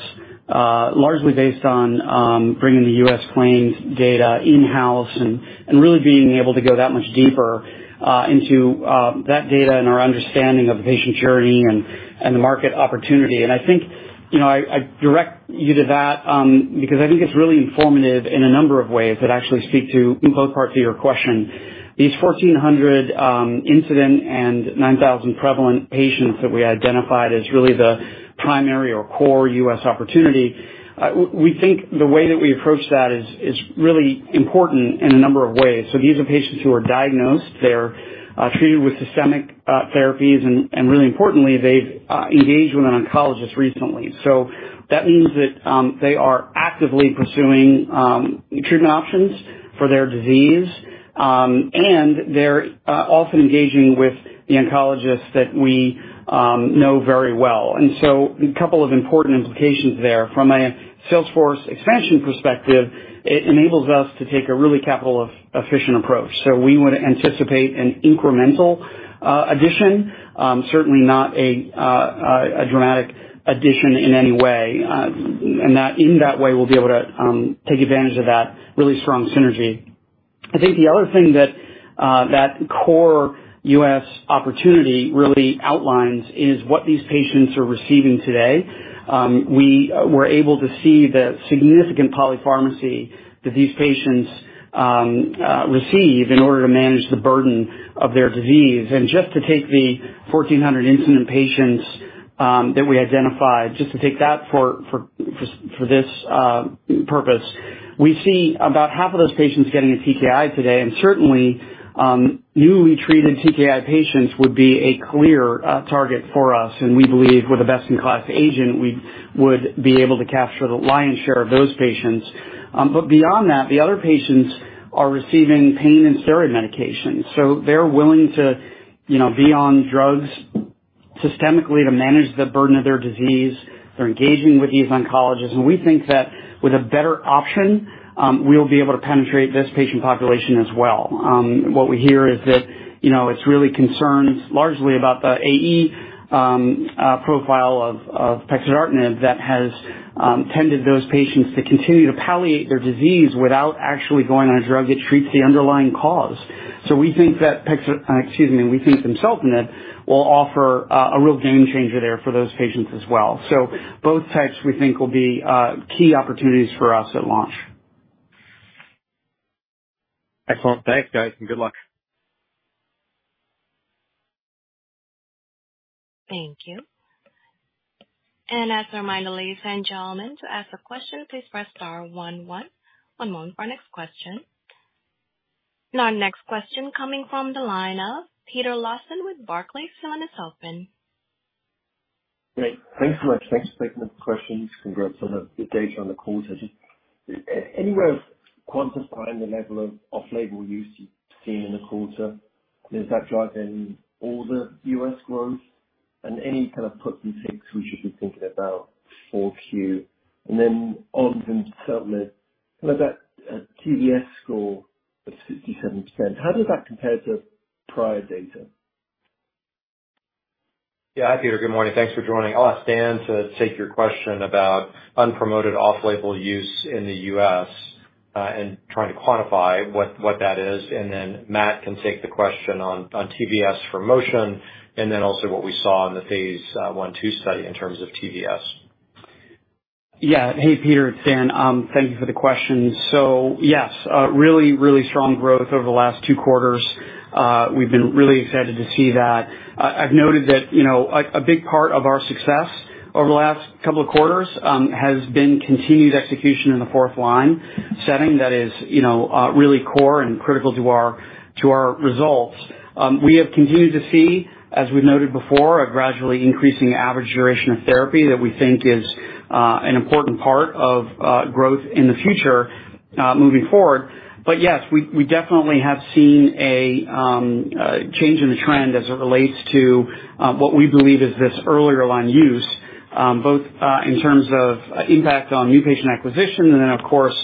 Largely based on bringing the U.S. claims data in-house and really being able to go that much deeper into that data and our understanding of the patient journey and the market opportunity. And I think, you know, I direct you to that because I think it's really informative in a number of ways that actually speak to both parts of your question. These 1,400 incident and 9,000 prevalent patients that we identified as really the primary or core U.S. opportunity, we think the way that we approach that is really important in a number of ways. These are patients who are diagnosed, they're treated with systemic therapies, and really importantly, they've engaged with an oncologist recently. That means they are actively pursuing treatment options for their disease, and they're often engaging with the oncologists that we know very well. A couple of important implications there. From a sales force expansion perspective, it enables us to take a really capital-efficient approach. We would anticipate an incremental addition, certainly not a dramatic addition in any way. In that way, we'll be able to take advantage of that really strong synergy. I think the other thing that core US opportunity really outlines is what these patients are receiving today. We were able to see the significant polypharmacy that these patients receive in order to manage the burden of their disease. And just to take the 1,400 incident patients that we identified, just to take that for this purpose, we see about half of those patients getting a TKI today, and certainly newly treated TKI patients would be a clear target for us. And we believe with a best-in-class agent, we would be able to capture the lion's share of those patients. But beyond that, the other patients are receiving pain and steroid medications, so they're willing to, you know, be on drugs systemically to manage the burden of their disease. They're engaging with these oncologists, and we think that with a better option, we'll be able to penetrate this patient population as well. What we hear is that, you know, it's really concerns largely about the AE profile of pexidartinib that has tended those patients to continue to palliate their disease without actually going on a drug that treats the underlying cause. So we think that vimseltinib will offer, excuse me, a real game changer there for those patients as well. So both types, we think, will be key opportunities for us at launch. Excellent. Thanks, guys, and good luck. Thank you. And as a reminder, ladies and gentlemen, to ask a question, please press star one one. One moment for our next question. Our next question coming from the line of Peter Lawson with Barclays, the line is open. Great. Thanks so much. Thanks for taking the questions. Congrats on the, the data on the quarter. Just anywhere quantifying the level of off-label use you've seen in the quarter, is that driving all the US growth? And any kind of put and takes we should be thinking about for Q? And then on vimseltinib, that, TVS score of 67%, how does that compare to prior data? Yeah. Hi, Peter. Good morning. Thanks for joining. I'll ask Dan to take your question about unpromoted off-label use in the U.S., and trying to quantify what, what that is. And then Matt can take the question on, on TB S for MOTION, and then also what we saw in the phase I/II study in terms of TVS. Yeah. Hey, Peter, it's Dan. Thank you for the question. So yes, really, really strong growth over the last two quarters. We've been really excited to see that. I've noted that, you know, a big part of our success over the last couple of quarters, has been continued execution in the fourth line setting that is, you know, really core and critical to our, to our results. We have continued to see, as we've noted before, a gradually increasing average duration of therapy that we think is, an important part of, growth in the future, moving forward. But yes, we definitely have seen a change in the trend as it relates to what we believe is this earlier line use, both in terms of impact on new patient acquisition, and then, of course,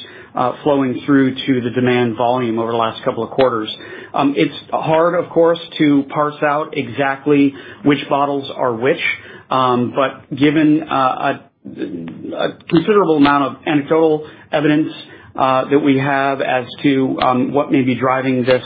flowing through to the demand volume over the last couple of quarters. It's hard, of course, to parse out exactly which bottles are which, but given a considerable amount of anecdotal evidence that we have as to what may be driving this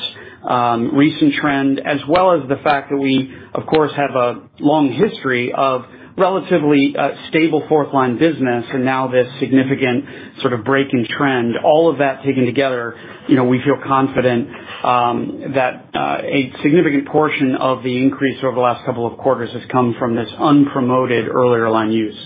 recent trend, as well as the fact that we, of course, have a long history of relatively stable fourth line business and now this significant sort of breaking trend. All of that taken together, you know, we feel confident that a significant portion of the increase over the last couple of quarters has come from this unpromoted earlier line use....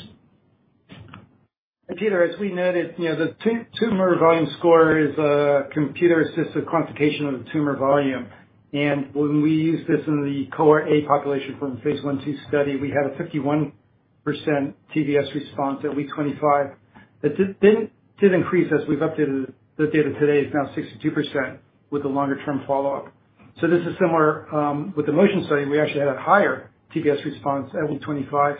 Peter, as we noted, you know, the tumor volume score is a computer-assisted quantification of the tumor volume, and when we use this in the Cohort A population from phase I/II study, we had a 51% TVS response at week 25. That did increase as we've updated the data today, is now 62% with the longer term follow-up. So this is similar with the MOTION study. We actually had a higher TVS response at week 25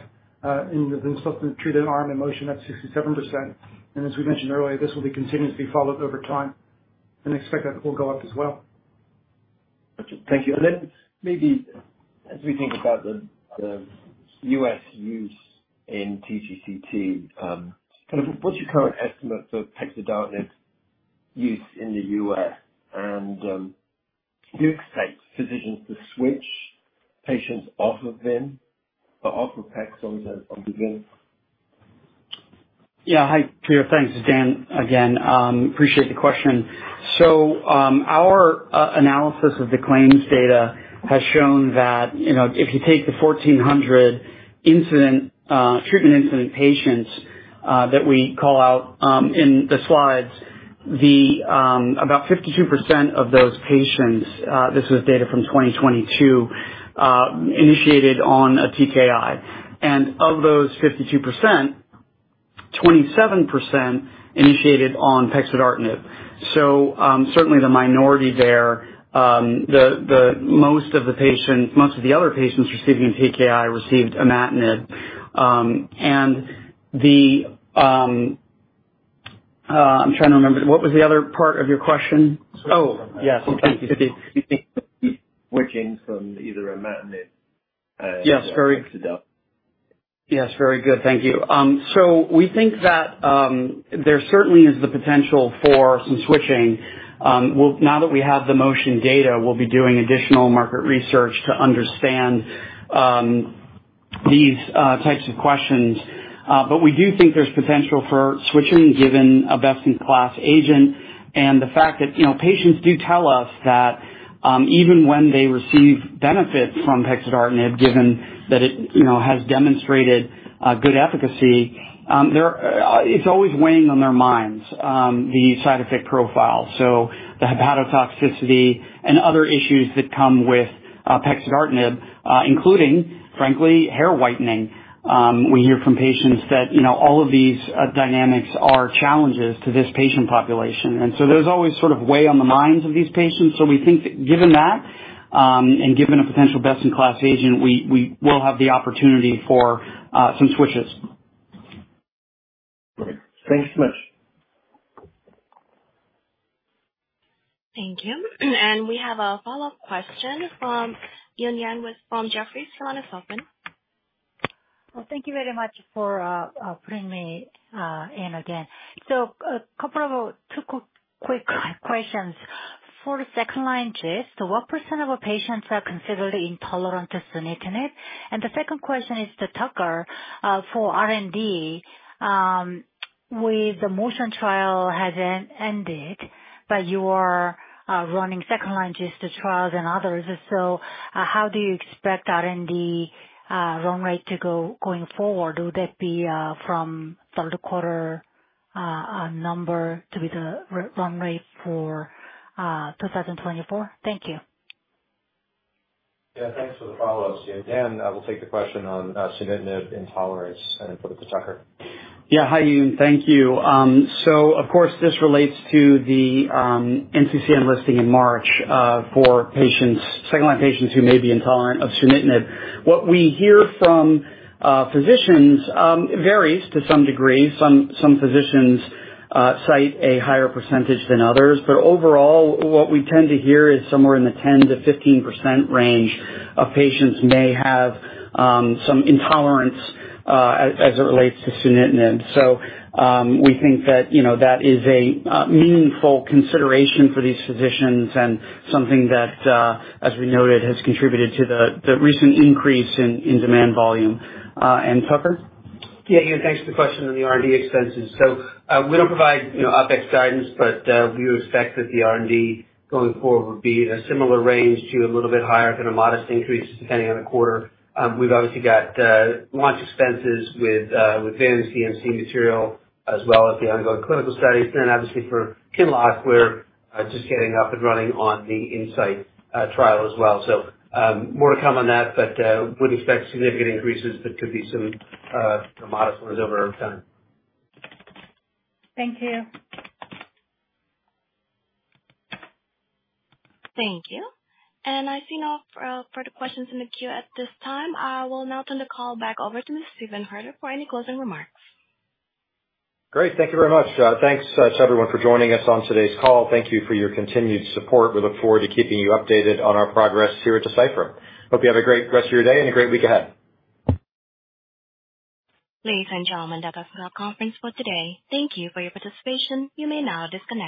in the vimseltinib treated arm in MOTION, at 67%. And as we mentioned earlier, this will be continuously followed over time and expect that it will go up as well. Thank you. Then maybe as we think about the U.S. use in TGCT, kind of what's your current estimate for pexidartinib use in the U.S.? And, do you expect physicians to switch patients off of Vyn or off of PEX on Vyn? Yeah. Hi, Peter. Thanks, it's Dan again. Appreciate the question. So, our analysis of the claims data has shown that, you know, if you take the 1400 incident treatment incident patients that we call out in the slides, about 52% of those patients, this was data from 2022, initiated on a TKI. And of those 52%, 27% initiated on pexidartinib. So, certainly the minority there, the most of the patients, most of the other patients receiving a TKI received imatinib. And I'm trying to remember, what was the other part of your question? Oh, yes, thank you. Switching from either imatinib, Yes, very- Pexidartinib. Yes, very good. Thank you. So we think that, there certainly is the potential for some switching. We'll now that we have the MOTION data, we'll be doing additional market research to understand, these types of questions. But we do think there's potential for switching, given a best-in-class agent and the fact that, you know, patients do tell us that, even when they receive benefit from pexidartinib, given that it, you know, has demonstrated, good efficacy, there, it's always weighing on their minds, the side effect profile. So the hepatotoxicity and other issues that come with, pexidartinib, including, frankly, hair whitening. We hear from patients that, you know, all of these, dynamics are challenges to this patient population, and so there's always sort of weight on the minds of these patients. We think that given that, and given a potential best-in-class agent, we will have the opportunity for some switches. Great. Thank you so much. Thank you. We have a follow-up question from Eun Yang with from Jefferies. Your line is open. Well, thank you very much for putting me in again. So, two quick questions. For the second-line GIST, what % of our patients are considered intolerant to sunitinib? And the second question is to Tucker, for R&D, with the MOTION trial has ended, but you are running second-line GIST trials and others, so, how do you expect R&D run rate going forward? Will that be from Q3 number to be the run rate for 2024? Thank you. Yeah, thanks for the follow-up, Yun. Dan, I will take the question on sunitinib intolerance, and then put it to Tucker. Yeah. Hi, Yun. Thank you. So, of course, this relates to the NCCN listing in March for patients, second-line patients who may be intolerant of sunitinib. What we hear from physicians varies to some degree. Some physicians cite a higher percentage than others, but overall, what we tend to hear is somewhere in the 10%-15% range of patients may have some intolerance as it relates to sunitinib. So, we think that, you know, that is a meaningful consideration for these physicians and something that, as we noted, has contributed to the recent increase in demand volume. And Tucker? Yeah, Yun, thanks for the question on the R&D expenses. We don't provide, you know, OpEx guidance, but we expect that the R&D going forward will be in a similar range to a little bit higher than a modest increase, just depending on the quarter. We've obviously got, you know, launch expenses with Vimseltinib CMC material, as well as the ongoing clinical studies. Obviously for QINLOCK, we're just getting up and running on the INSIGHT trial as well. More to come on that, but would not expect significant increases, but could be some, you know, some modest ones over time. Thank you. Thank you. I see no further questions in the queue at this time. I will now turn the call back over to Mr. Steve Hoerter for any closing remarks. Great. Thank you very much. Thanks to everyone for joining us on today's call. Thank you for your continued support. We look forward to keeping you updated on our progress here at Deciphera. Hope you have a great rest of your day and a great week ahead. Ladies and gentlemen, that's all for our conference for today. Thank you for your participation. You may now disconnect.